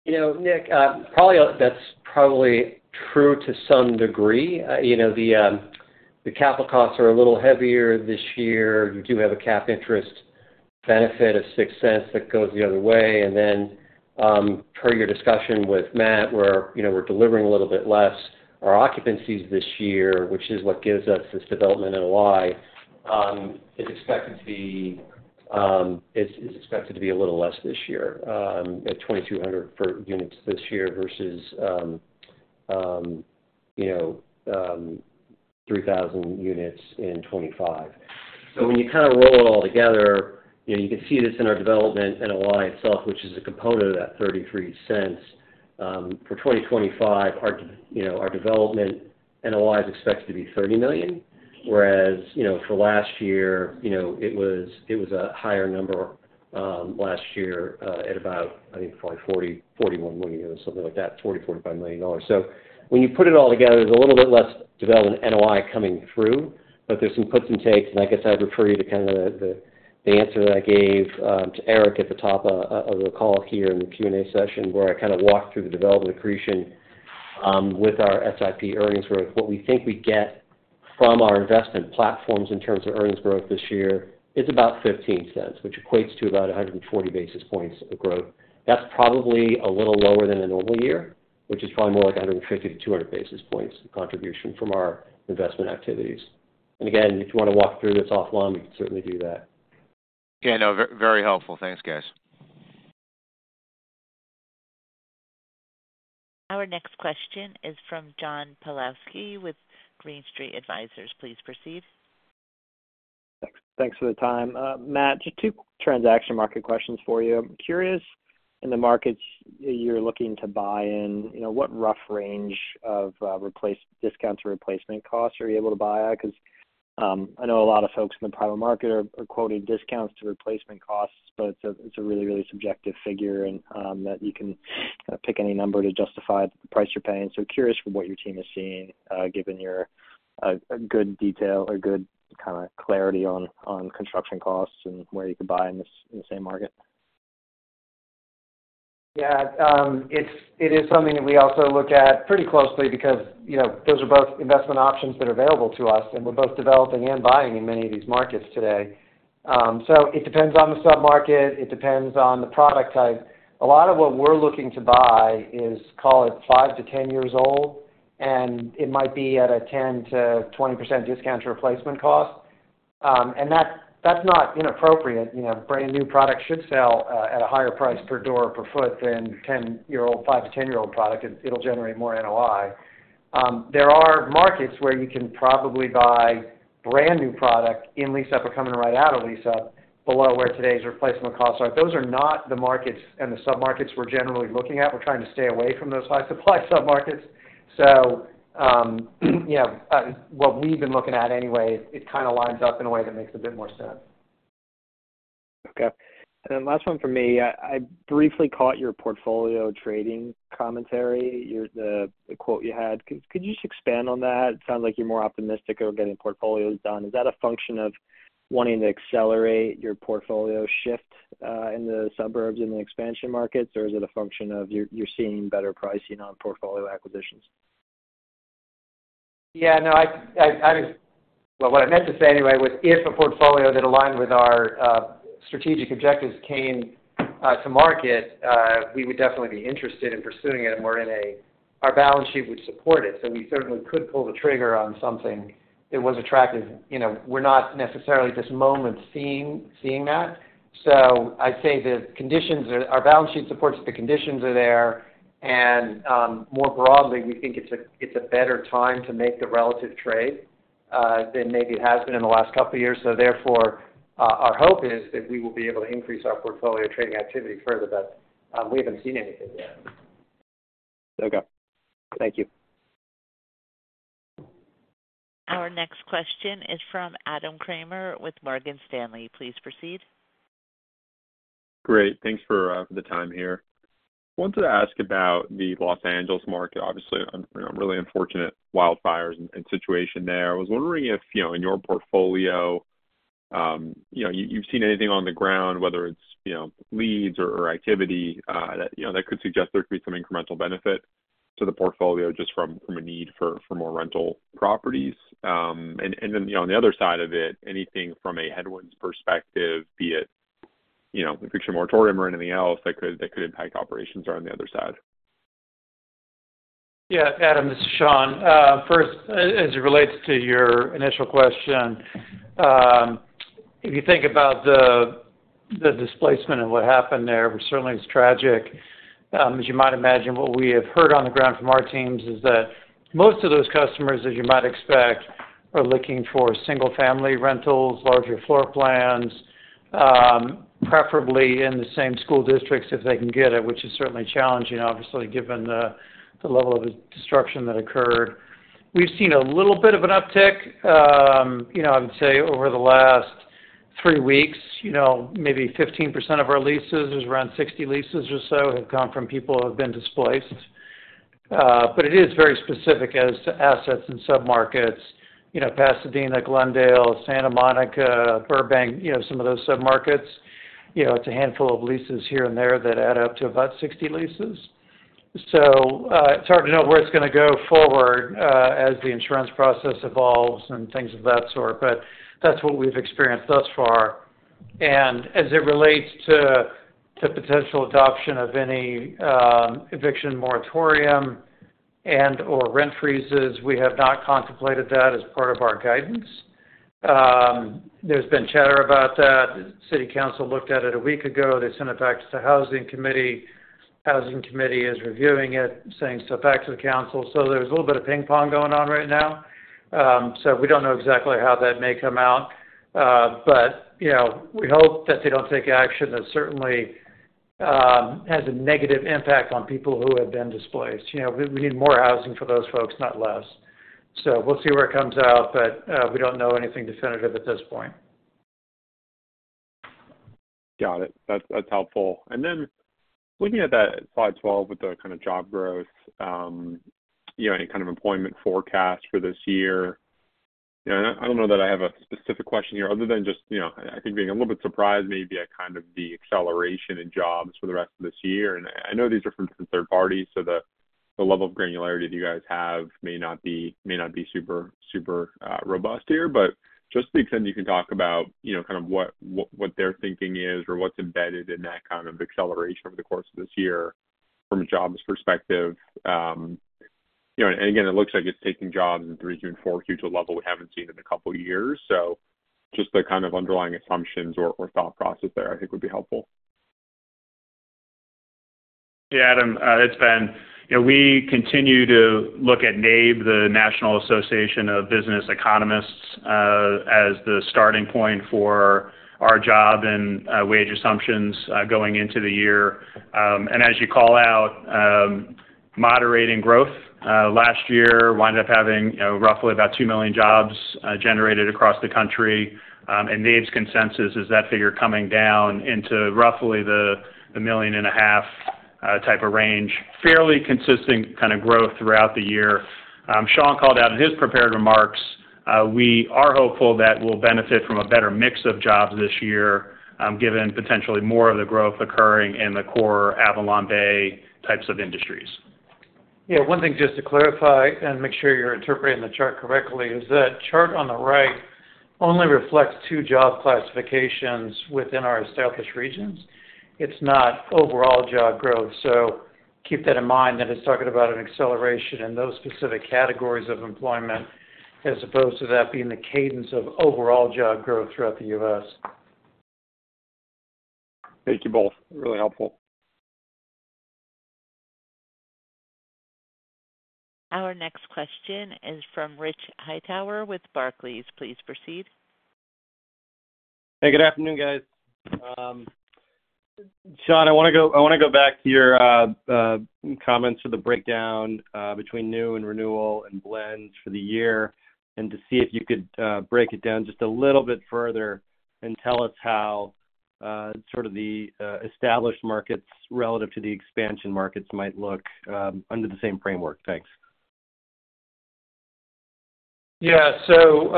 Nick, that's probably true to some degree. The capital costs are a little heavier this year. You do have a cap interest benefit of $0.06 that goes the other way. And then per your discussion with Matt, where we're delivering a little bit less, our occupancies this year, which is what gives us this development NOI, is expected to be a little less this year at 2,200 units this year versus 3,000 units in 2025. So when you kind of roll it all together, you can see this in our development NOI itself, which is a component of that $0.33. For 2025, our development NOI is expected to be $30 million, whereas for last year, it was a higher number last year at about, I think, probably $40 million-$41 million, something like that, $40 million-$45 million dollars. So when you put it all together, there's a little bit less development NOI coming through, but there's some puts and takes. And I guess I'd refer you to kind of the answer that I gave to Eric at the top of the call here in the Q&A session where I kind of walked through the development accretion with our SIP earnings growth. What we think we get from our investment platforms in terms of earnings growth this year is about $0.15, which equates to about 140 basis points of growth. That's probably a little lower than a normal year, which is probably more like 150-200 basis points contribution from our investment activities. And again, if you want to walk through this offline, we can certainly do that.
Yeah. No. Very helpful. Thanks, guys.
Our next question is from John Pawlowski with Green Street Advisors. Please proceed.
Thanks for the time. Matt, just two transaction market questions for you. I'm curious, in the markets you're looking to buy in, what rough range of discounts or replacement costs are you able to buy at? Because I know a lot of folks in the private market are quoting discounts to replacement costs, but it's a really, really subjective figure and that you can pick any number to justify the price you're paying. So curious for what your team is seeing given your good detail or good kind of clarity on construction costs and where you could buy in the same market.
Yeah. It is something that we also look at pretty closely because those are both investment options that are available to us, and we're both developing and buying in many of these markets today. It depends on the submarket. It depends on the product type. A lot of what we're looking to buy is, call it five to 10 years old, and it might be at a 10%-20% discount to replacement cost. That's not inappropriate. Brand new products should sell at a higher price per door or per foot than 10-year-old, five- to 10-year-old product. It'll generate more NOI. There are markets where you can probably buy brand new product in lease-up or coming right out of lease-up below where today's replacement costs are. Those are not the markets and the submarkets we're generally looking at. We're trying to stay away from those high-supply submarkets. What we've been looking at anyway, it kind of lines up in a way that makes a bit more sense.
Okay, and then last one for me. I briefly caught your portfolio trading commentary, the quote you had. Could you just expand on that? It sounds like you're more optimistic about getting portfolios done. Is that a function of wanting to accelerate your portfolio shift in the suburbs and the expansion markets, or is it a function of you're seeing better pricing on portfolio acquisitions?
Yeah. No. Well, what I meant to say anyway was if a portfolio that aligned with our strategic objectives came to market, we would definitely be interested in pursuing it, and our balance sheet would support it. So we certainly could pull the trigger on something that was attractive. We're not necessarily at this moment seeing that. So I'd say the conditions are our balance sheet supports the conditions are there. And more broadly, we think it's a better time to make the relative trade than maybe it has been in the last couple of years. So therefore, our hope is that we will be able to increase our portfolio trading activity further, but we haven't seen anything yet.
Okay. Thank you.
Our next question is from Adam Kramer with Morgan Stanley. Please proceed.
Great. Thanks for the time here. I wanted to ask about the Los Angeles market. Obviously, a really unfortunate wildfires and situation there. I was wondering if in your portfolio, you've seen anything on the ground, whether it's leads or activity that could suggest there could be some incremental benefit to the portfolio just from a need for more rental properties. And then on the other side of it, anything from a headwinds perspective, be it a fictional moratorium or anything else that could impact operations there on the other side?
Yeah. Adam, this is Sean. First, as it relates to your initial question, if you think about the displacement and what happened there, which certainly is tragic, as you might imagine, what we have heard on the ground from our teams is that most of those customers, as you might expect, are looking for single-family rentals, larger floor plans, preferably in the same school districts if they can get it, which is certainly challenging, obviously, given the level of destruction that occurred. We've seen a little bit of an uptick, I would say, over the last three weeks. Maybe 15% of our leases, there's around 60 leases or so, have come from people who have been displaced. But it is very specific as to assets and submarkets, Pasadena, Glendale, Santa Monica, Burbank, some of those submarkets. It's a handful of leases here and there that add up to about 60 leases. So it's hard to know where it's going to go forward as the insurance process evolves and things of that sort. But that's what we've experienced thus far. And as it relates to the potential adoption of any eviction moratorium and/or rent freezes, we have not contemplated that as part of our guidance. There's been chatter about that. City Council looked at it a week ago. They sent it back to the housing committee. The housing committee is reviewing it, saying stuff back to the council. So there's a little bit of ping pong going on right now. So we don't know exactly how that may come out. But we hope that they don't take action that certainly has a negative impact on people who have been displaced. We need more housing for those folks, not less. So we'll see where it comes out, but we don't know anything definitive at this point.
Got it. That's helpful. And then looking at that slide 12 with the kind of job growth, any kind of employment forecast for this year, I don't know that I have a specific question here other than just, I think, being a little bit surprised maybe at kind of the acceleration in jobs for the rest of this year. And I know these are from third parties, so the level of granularity that you guys have may not be super robust here. But just the extent you can talk about kind of what their thinking is or what's embedded in that kind of acceleration over the course of this year from a jobs perspective. And again, it looks like it's taking jobs in 3Q and 4Q to a level we haven't seen in a couple of years. So just the kind of underlying assumptions or thought process there, I think, would be helpful.
Yeah. Adam, it's Ben. We continue to look at NABE, the National Association of Business Economists, as the starting point for our job and wage assumptions going into the year. And as you call out, moderating growth. Last year, wound up having roughly about two million jobs generated across the country. And NABE's consensus is that figure coming down into roughly the million and a half type of range. Fairly consistent kind of growth throughout the year. Sean called out in his prepared remarks, we are hopeful that we'll benefit from a better mix of jobs this year given potentially more of the growth occurring in the core AvalonBay types of industries.
Yeah. One thing just to clarify and make sure you're interpreting the chart correctly is that chart on the right only reflects two job classifications within our established regions. It's not overall job growth. So keep that in mind that it's talking about an acceleration in those specific categories of employment as opposed to that being the cadence of overall job growth throughout the U.S.
Thank you both. Really helpful.
Our next question is from Rich Hightower with Barclays. Please proceed.
Hey. Good afternoon, guys. Sean, I want to go back to your comments of the breakdown between new and renewal and blends for the year and to see if you could break it down just a little bit further and tell us how sort of the established markets relative to the expansion markets might look under the same framework? Thanks.
Yeah. So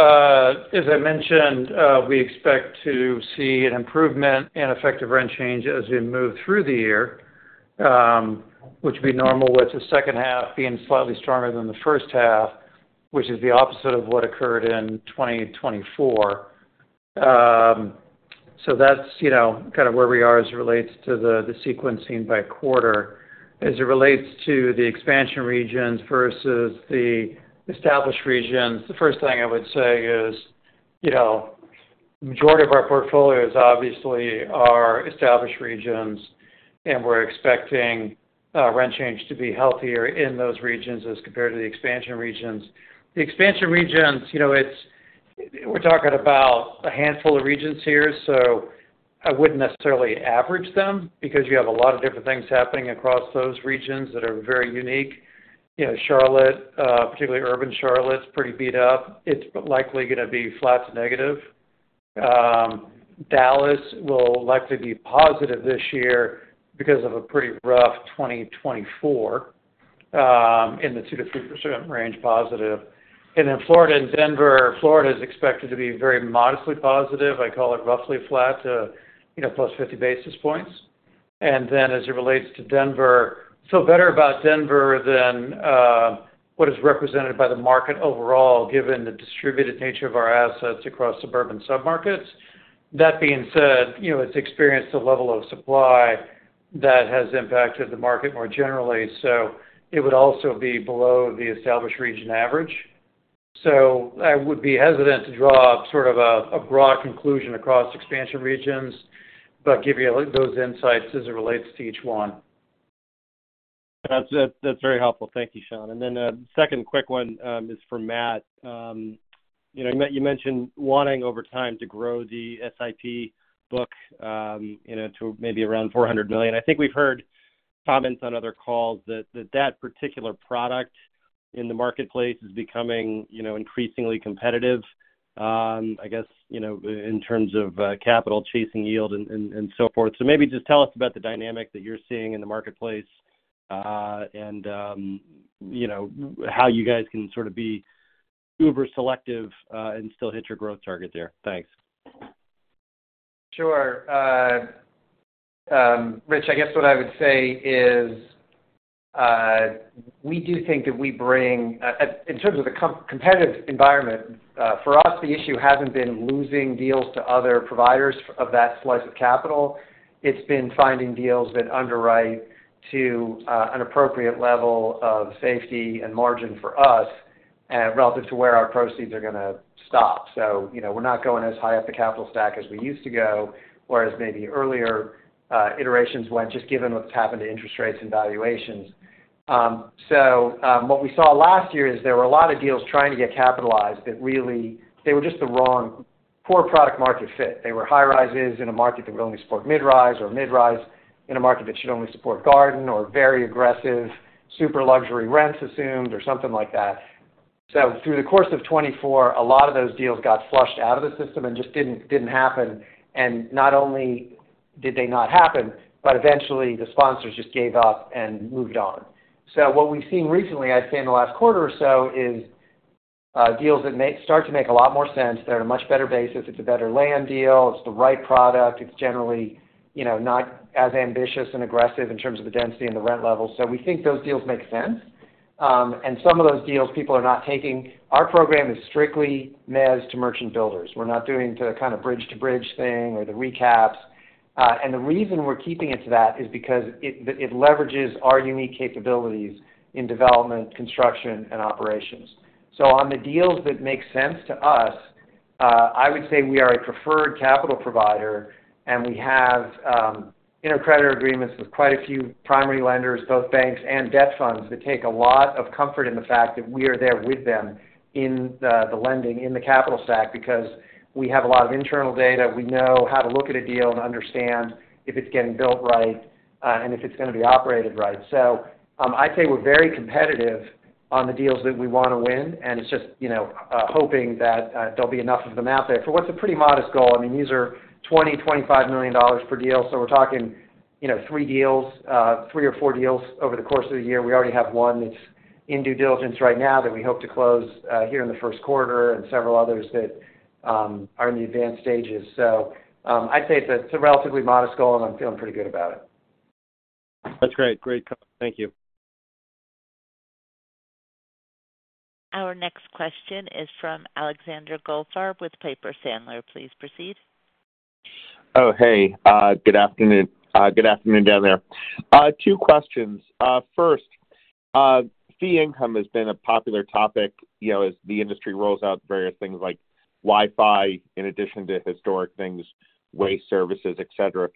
as I mentioned, we expect to see an improvement in effective rent change as we move through the year, which would be normal with the second half being slightly stronger than the first half, which is the opposite of what occurred in 2024. So that's kind of where we are as it relates to the sequencing by quarter. As it relates to the expansion regions versus the established regions, the first thing I would say is the majority of our portfolios obviously are established regions, and we're expecting rent change to be healthier in those regions as compared to the expansion regions. The expansion regions, we're talking about a handful of regions here, so I wouldn't necessarily average them because you have a lot of different things happening across those regions that are very unique. Charlotte, particularly urban Charlotte, is pretty beat up. It's likely going to be flat to negative. Dallas will likely be positive this year because of a pretty rough 2024 in the 2%-3% range positive. And then Florida and Denver, Florida is expected to be very modestly positive. I call it roughly flat to plus 50 basis points. And then as it relates to Denver, so better about Denver than what is represented by the market overall given the distributed nature of our assets across suburban submarkets. That being said, it's experienced a level of supply that has impacted the market more generally. So it would also be below the established region average. So I would be hesitant to draw sort of a broad conclusion across expansion regions, but give you those insights as it relates to each one.
That's very helpful. Thank you, Sean. And then the second quick one is for Matt. You mentioned wanting over time to grow the SIP book to maybe around $400 million. I think we've heard comments on other calls that that particular product in the marketplace is becoming increasingly competitive, I guess, in terms of capital chasing yield and so forth. So maybe just tell us about the dynamic that you're seeing in the marketplace and how you guys can sort of be uber selective and still hit your growth target there. Thanks.
Sure. Rich, I guess what I would say is we do think that we bring in terms of the competitive environment, for us, the issue hasn't been losing deals to other providers of that slice of capital. It's been finding deals that underwrite to an appropriate level of safety and margin for us relative to where our proceeds are going to stop. So we're not going as high up the capital stack as we used to go, whereas maybe earlier iterations went just given what's happened to interest rates and valuations. So what we saw last year is there were a lot of deals trying to get capitalized that really they were just the wrong poor product-market fit. They were high rises in a market that would only support mid-rise or mid-rise in a market that should only support garden or very aggressive super luxury rents assumed or something like that. So through the course of 2024, a lot of those deals got flushed out of the system and just didn't happen. And not only did they not happen, but eventually, the sponsors just gave up and moved on. So what we've seen recently, I'd say in the last quarter or so, is deals that start to make a lot more sense. They're on a much better basis. It's a better land deal. It's the right product. It's generally not as ambitious and aggressive in terms of the density and the rent level. So we think those deals make sense. And some of those deals, people are not taking. Our program is strictly mezz to merchant builders. We're not doing the kind of bridge-to-bridge thing or the recaps, and the reason we're keeping it to that is because it leverages our unique capabilities in development, construction, and operations, so on the deals that make sense to us, I would say we are a preferred capital provider, and we have intercreditor agreements with quite a few primary lenders, both banks and debt funds that take a lot of comfort in the fact that we are there with them in the lending in the capital stack because we have a lot of internal data. We know how to look at a deal and understand if it's getting built right and if it's going to be operated right, so I'd say we're very competitive on the deals that we want to win, and it's just hoping that there'll be enough of them out there for what's a pretty modest goal. I mean, these are $20-$25 million per deal. So we're talking three deals, three or four deals over the course of the year. We already have one that's in due diligence right now that we hope to close here in the first quarter and several others that are in the advanced stages. So I'd say it's a relatively modest goal, and I'm feeling pretty good about it.
That's great. Great comment. Thank you.
Our next question is from Alexander Goldfarb with Piper Sandler. Please proceed.
Oh, hey. Good afternoon. Good afternoon down there. Two questions. First, fee income has been a popular topic as the industry rolls out various things like Wi-Fi in addition to historic things, waste services, etc.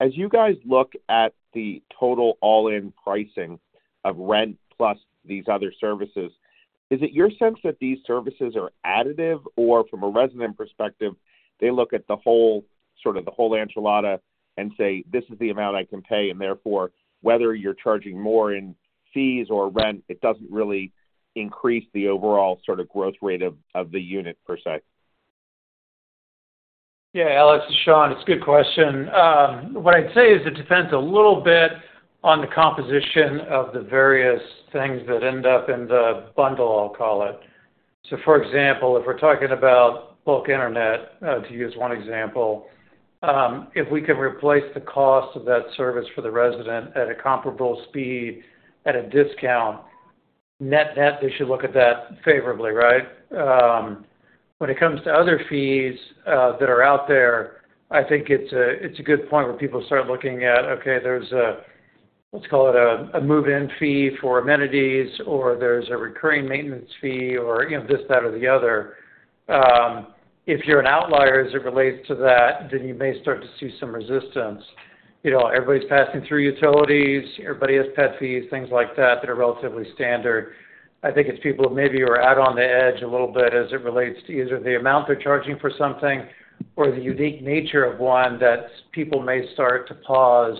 As you guys look at the total all-in pricing of rent plus these other services, is it your sense that these services are additive or from a resident perspective, they look at the whole sort of the whole enchilada and say, "This is the amount I can pay?" And therefore, whether you're charging more in fees or rent, it doesn't really increase the overall sort of growth rate of the unit per se?
Yeah. Alex this is Sean, it's a good question. What I'd say is it depends a little bit on the composition of the various things that end up in the bundle, I'll call it. So for example, if we're talking about bulk internet, to use one example, if we can replace the cost of that service for the resident at a comparable speed at a discount, net net, they should look at that favorably, right? When it comes to other fees that are out there, I think it's a good point where people start looking at, "Okay, there's a, let's call it a move-in fee for amenities, or there's a recurring maintenance fee, or this, that, or the other." If you're an outlier as it relates to that, then you may start to see some resistance. Everybody's passing through utilities. Everybody has pet fees, things like that that are relatively standard. I think it's people maybe who are out on the edge a little bit as it relates to either the amount they're charging for something or the unique nature of one that people may start to pause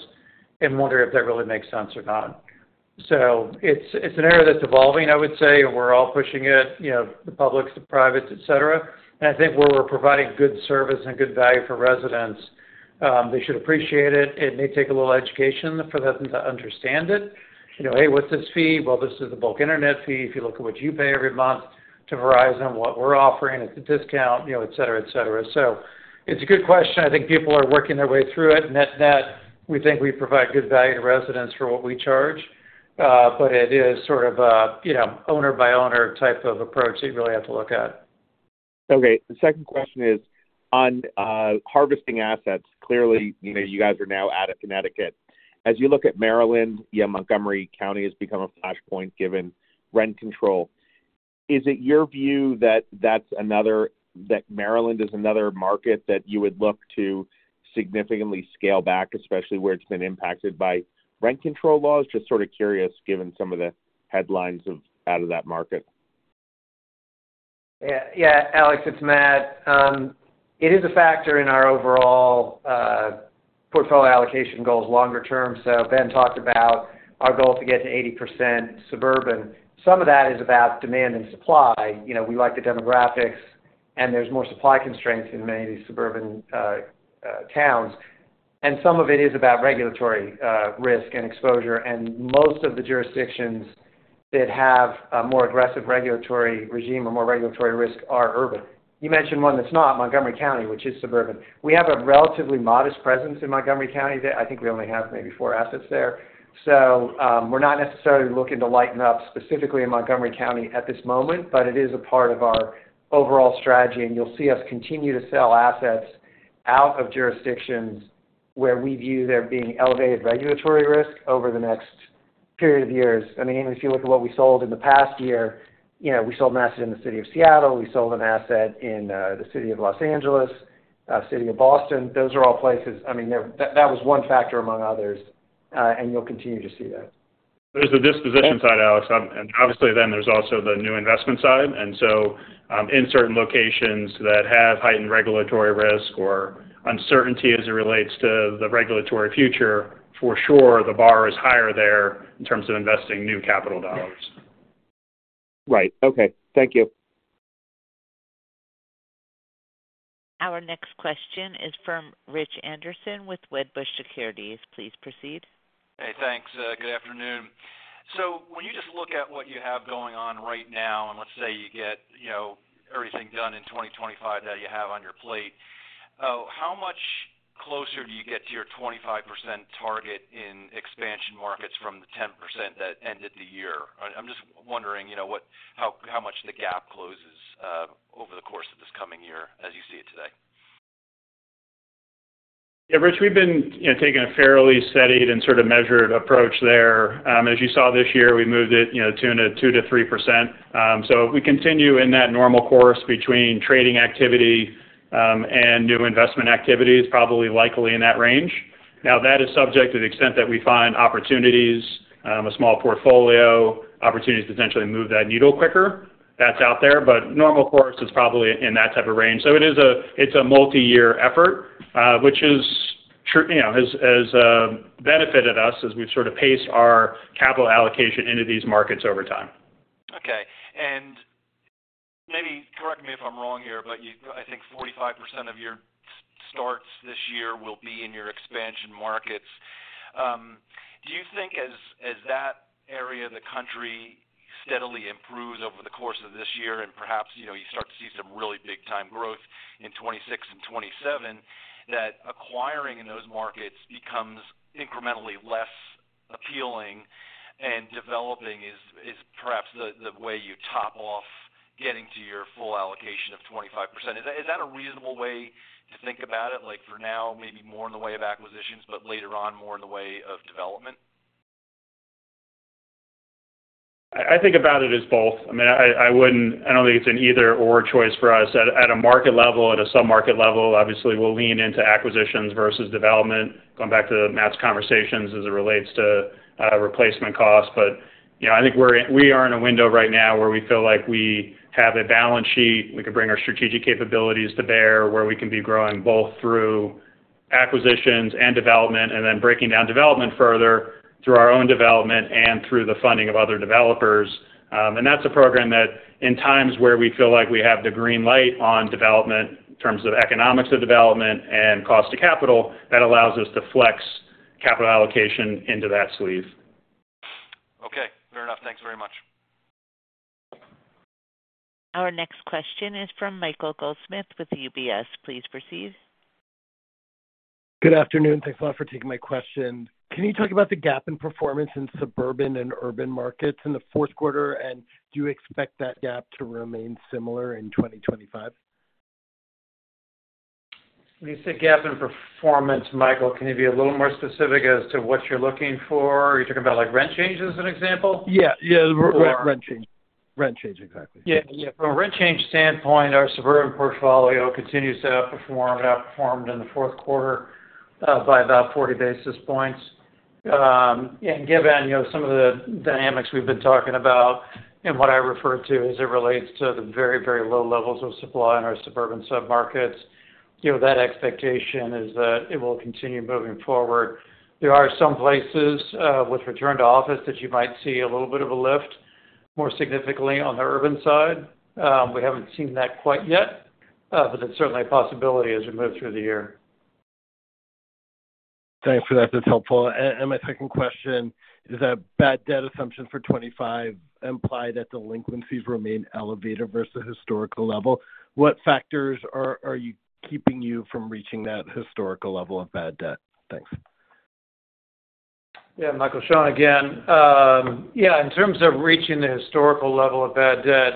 and wonder if that really makes sense or not. So it's an area that's evolving, I would say, and we're all pushing it, the publics, the privates, etc. And I think where we're providing good service and good value for residents, they should appreciate it. It may take a little education for them to understand it. "Hey, what's this fee?" "Well, this is the bulk internet fee. If you look at what you pay every month to Verizon, what we're offering, it's a discount," etc., etc. So it's a good question. I think people are working their way through it. Net net, we think we provide good value to residents for what we charge, but it is sort of an owner-by-owner type of approach that you really have to look at.
Okay. The second question is on harvesting assets. Clearly, you guys are now out of Connecticut. As you look at Maryland, Montgomery County has become a flashpoint given rent control. Is it your view that that's another that Maryland is another market that you would look to significantly scale back, especially where it's been impacted by rent control laws? Just sort of curious given some of the headlines out of that market?
Yeah. Alex, it's Matt. It is a factor in our overall portfolio allocation goals longer term. So Ben talked about our goal to get to 80% suburban. Some of that is about demand and supply. We like the demographics, and there's more supply constraints in many of these suburban towns. And some of it is about regulatory risk and exposure. And most of the jurisdictions that have a more aggressive regulatory regime or more regulatory risk are urban. You mentioned one that's not Montgomery County, which is suburban. We have a relatively modest presence in Montgomery County. I think we only have maybe four assets there. So we're not necessarily looking to lighten up specifically in Montgomery County at this moment, but it is a part of our overall strategy. You'll see us continue to sell assets out of jurisdictions where we view there being elevated regulatory risk over the next period of years. I mean, if you look at what we sold in the past year, we sold an asset in the city of Seattle. We sold an asset in the city of Los Angeles, city of Boston. Those are all places. I mean, that was one factor among others, and you'll continue to see that.
There's the disposition side, Alex. And obviously, then there's also the new investment side. And so in certain locations that have heightened regulatory risk or uncertainty as it relates to the regulatory future, for sure, the bar is higher there in terms of investing new capital dollars.
Right. Okay. Thank you.
Our next question is from Rich Anderson with Wedbush Securities. Please proceed.
Hey. Thanks. Good afternoon. So when you just look at what you have going on right now, and let's say you get everything done in 2025 that you have on your plate, how much closer do you get to your 25% target in expansion markets from the 10% that ended the year? I'm just wondering how much the gap closes over the course of this coming year as you see it today.
Yeah. Rich, we've been taking a fairly steady and sort of measured approach there. As you saw this year, we moved it to a 2%-3%. So if we continue in that normal course between trading activity and new investment activities, probably likely in that range. Now, that is subject to the extent that we find opportunities, a small portfolio, opportunities to potentially move that needle quicker. That's out there. But normal course, it's probably in that type of range. So it's a multi-year effort, which has benefited us as we've sort of paced our capital allocation into these markets over time.
Okay, and maybe correct me if I'm wrong here, but I think 45% of your starts this year will be in your expansion markets. Do you think as that area of the country steadily improves over the course of this year and perhaps you start to see some really big-time growth in 2026 and 2027, that acquiring in those markets becomes incrementally less appealing and developing is perhaps the way you top off getting to your full allocation of 25%? Is that a reasonable way to think about it? For now, maybe more in the way of acquisitions, but later on, more in the way of development?
I think about it as both. I mean, I don't think it's an either-or choice for us. At a market level, at a sub-market level, obviously, we'll lean into acquisitions versus development, going back to Matt's conversations as it relates to replacement costs. But I think we are in a window right now where we feel like we have a balance sheet. We could bring our strategic capabilities to bear where we can be growing both through acquisitions and development, and then breaking down development further through our own development and through the funding of other developers. And that's a program that, in times where we feel like we have the green light on development in terms of economics of development and cost of capital, that allows us to flex capital allocation into that sleeve.
Okay. Fair enough. Thanks very much.
Our next question is from Michael Goldsmith with UBS. Please proceed.
Good afternoon. Thanks a lot for taking my question. Can you talk about the gap in performance in suburban and urban markets in the fourth quarter, and do you expect that gap to remain similar in 2025?
When you say gap in performance, Michael, can you be a little more specific as to what you're looking for? Are you talking about rent changes as an example?
Yeah. Yeah. Rent change. Rent change, exactly.
Yeah. Yeah. From a rent change standpoint, our suburban portfolio continues to outperform and outperformed in the fourth quarter by about 40 basis points. And given some of the dynamics we've been talking about and what I refer to as it relates to the very, very low levels of supply in our suburban sub-markets, that expectation is that it will continue moving forward. There are some places with return to office that you might see a little bit of a lift more significantly on the urban side. We haven't seen that quite yet, but it's certainly a possibility as we move through the year.
Thanks for that. That's helpful. And my second question is that bad debt assumptions for 2025 imply that delinquencies remain elevated versus the historical level. What factors are keeping you from reaching that historical level of bad debt? Thanks.
Yeah. Michael, Sean again. Yeah. In terms of reaching the historical level of bad debt,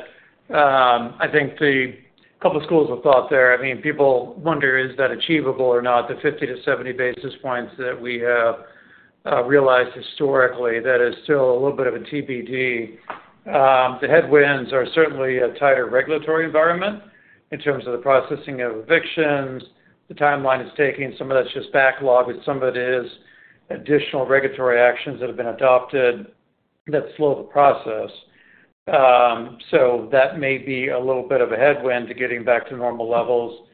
I think a couple of schools of thought there. I mean, people wonder, is that achievable or not? The 50 to 70 basis points that we have realized historically, that is still a little bit of a TBD. The headwinds are certainly a tighter regulatory environment in terms of the processing of evictions. The timeline is taking some of that's just backlog, but some of it is additional regulatory actions that have been adopted that slow the process. So that may be a little bit of a headwind to getting back to normal levels.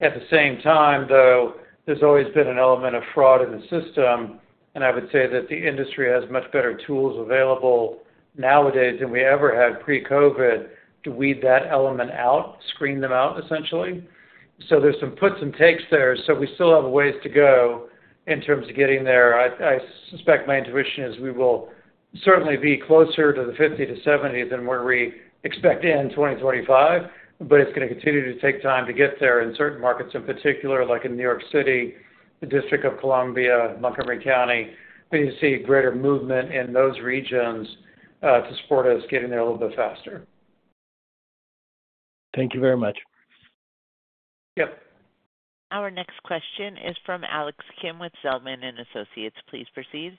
At the same time, though, there's always been an element of fraud in the system, and I would say that the industry has much better tools available nowadays than we ever had pre-COVID to weed that element out, screen them out, essentially. So there's some puts and takes there. So we still have a ways to go in terms of getting there. I suspect my intuition is we will certainly be closer to the 50-70 than where we expect in 2025, but it's going to continue to take time to get there. In certain markets in particular, like in New York City, the District of Columbia, Montgomery County, we need to see greater movement in those regions to support us getting there a little bit faster.
Thank you very much.
Yep.
Our next question is from Alex Kim with Zelman & Associates. Please proceed.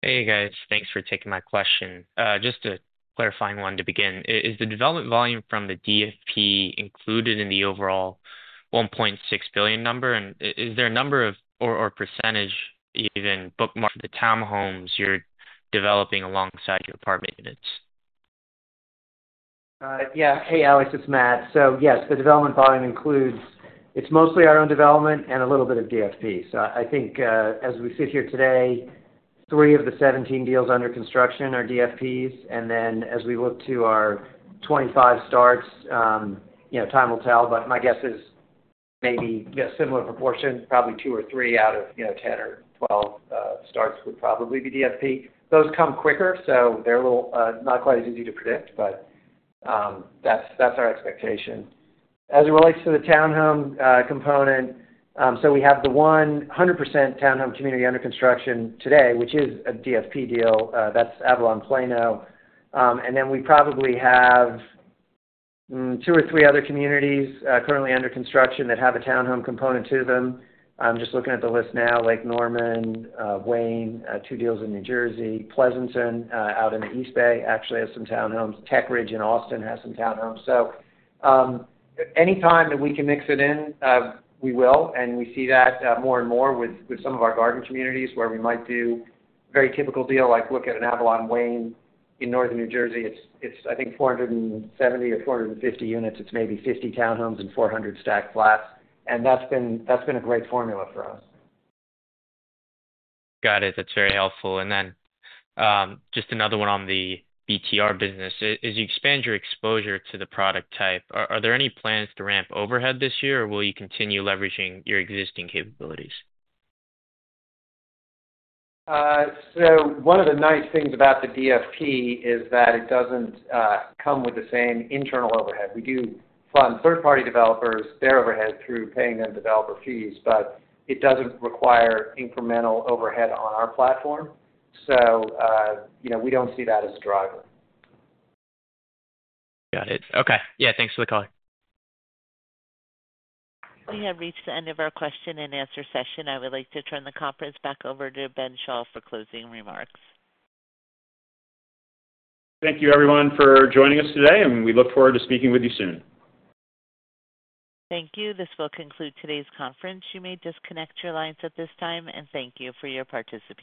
Hey, guys. Thanks for taking my question. Just a clarifying one to begin. Is the development volume from the DFP included in the overall $1.6 billion number? And is there a number or percentage even book the townhomes you're developing alongside your apartment units?
Yeah. Hey, Alex. It's Matt. So yes, the development volume includes it's mostly our own development and a little bit of DFP. So I think as we sit here today, three of the 17 deals under construction are DFPs. And then as we look to our 25 starts, time will tell, but my guess is maybe a similar proportion, probably two or three out of 10 or 12 starts would probably be DFP. Those come quicker, so they're not quite as easy to predict, but that's our expectation. As it relates to the townhome component, so we have the 100% townhome community under construction today, which is a DFP deal. That's Avalon Plano. And then we probably have two or three other communities currently under construction that have a townhome component to them. I'm just looking at the list now: Lake Norman, Wayne, two deals in New Jersey, Pleasanton out in the East Bay actually has some townhomes. Tech Ridge in Austin has some townhomes. So anytime that we can mix it in, we will. And we see that more and more with some of our garden communities where we might do a very typical deal, like look at an Avalon Wayne in northern New Jersey. It's, I think, 470 or 450 units. It's maybe 50 townhomes and 400 stacked flats. And that's been a great formula for us.
Got it. That's very helpful. And then just another one on the BTR business. As you expand your exposure to the product type, are there any plans to ramp overhead this year, or will you continue leveraging your existing capabilities?
So one of the nice things about the DFP is that it doesn't come with the same internal overhead. We do fund third-party developers, their overhead through paying them developer fees, but it doesn't require incremental overhead on our platform. So we don't see that as a driver.
Got it. Okay. Yeah. Thanks for the call.
We have reached the end of our question and answer session. I would like to turn the conference back over to Ben Schall for closing remarks.
Thank you, everyone, for joining us today, and we look forward to speaking with you soon.
Thank you. This will conclude today's conference. You may disconnect your lines at this time, and thank you for your participation.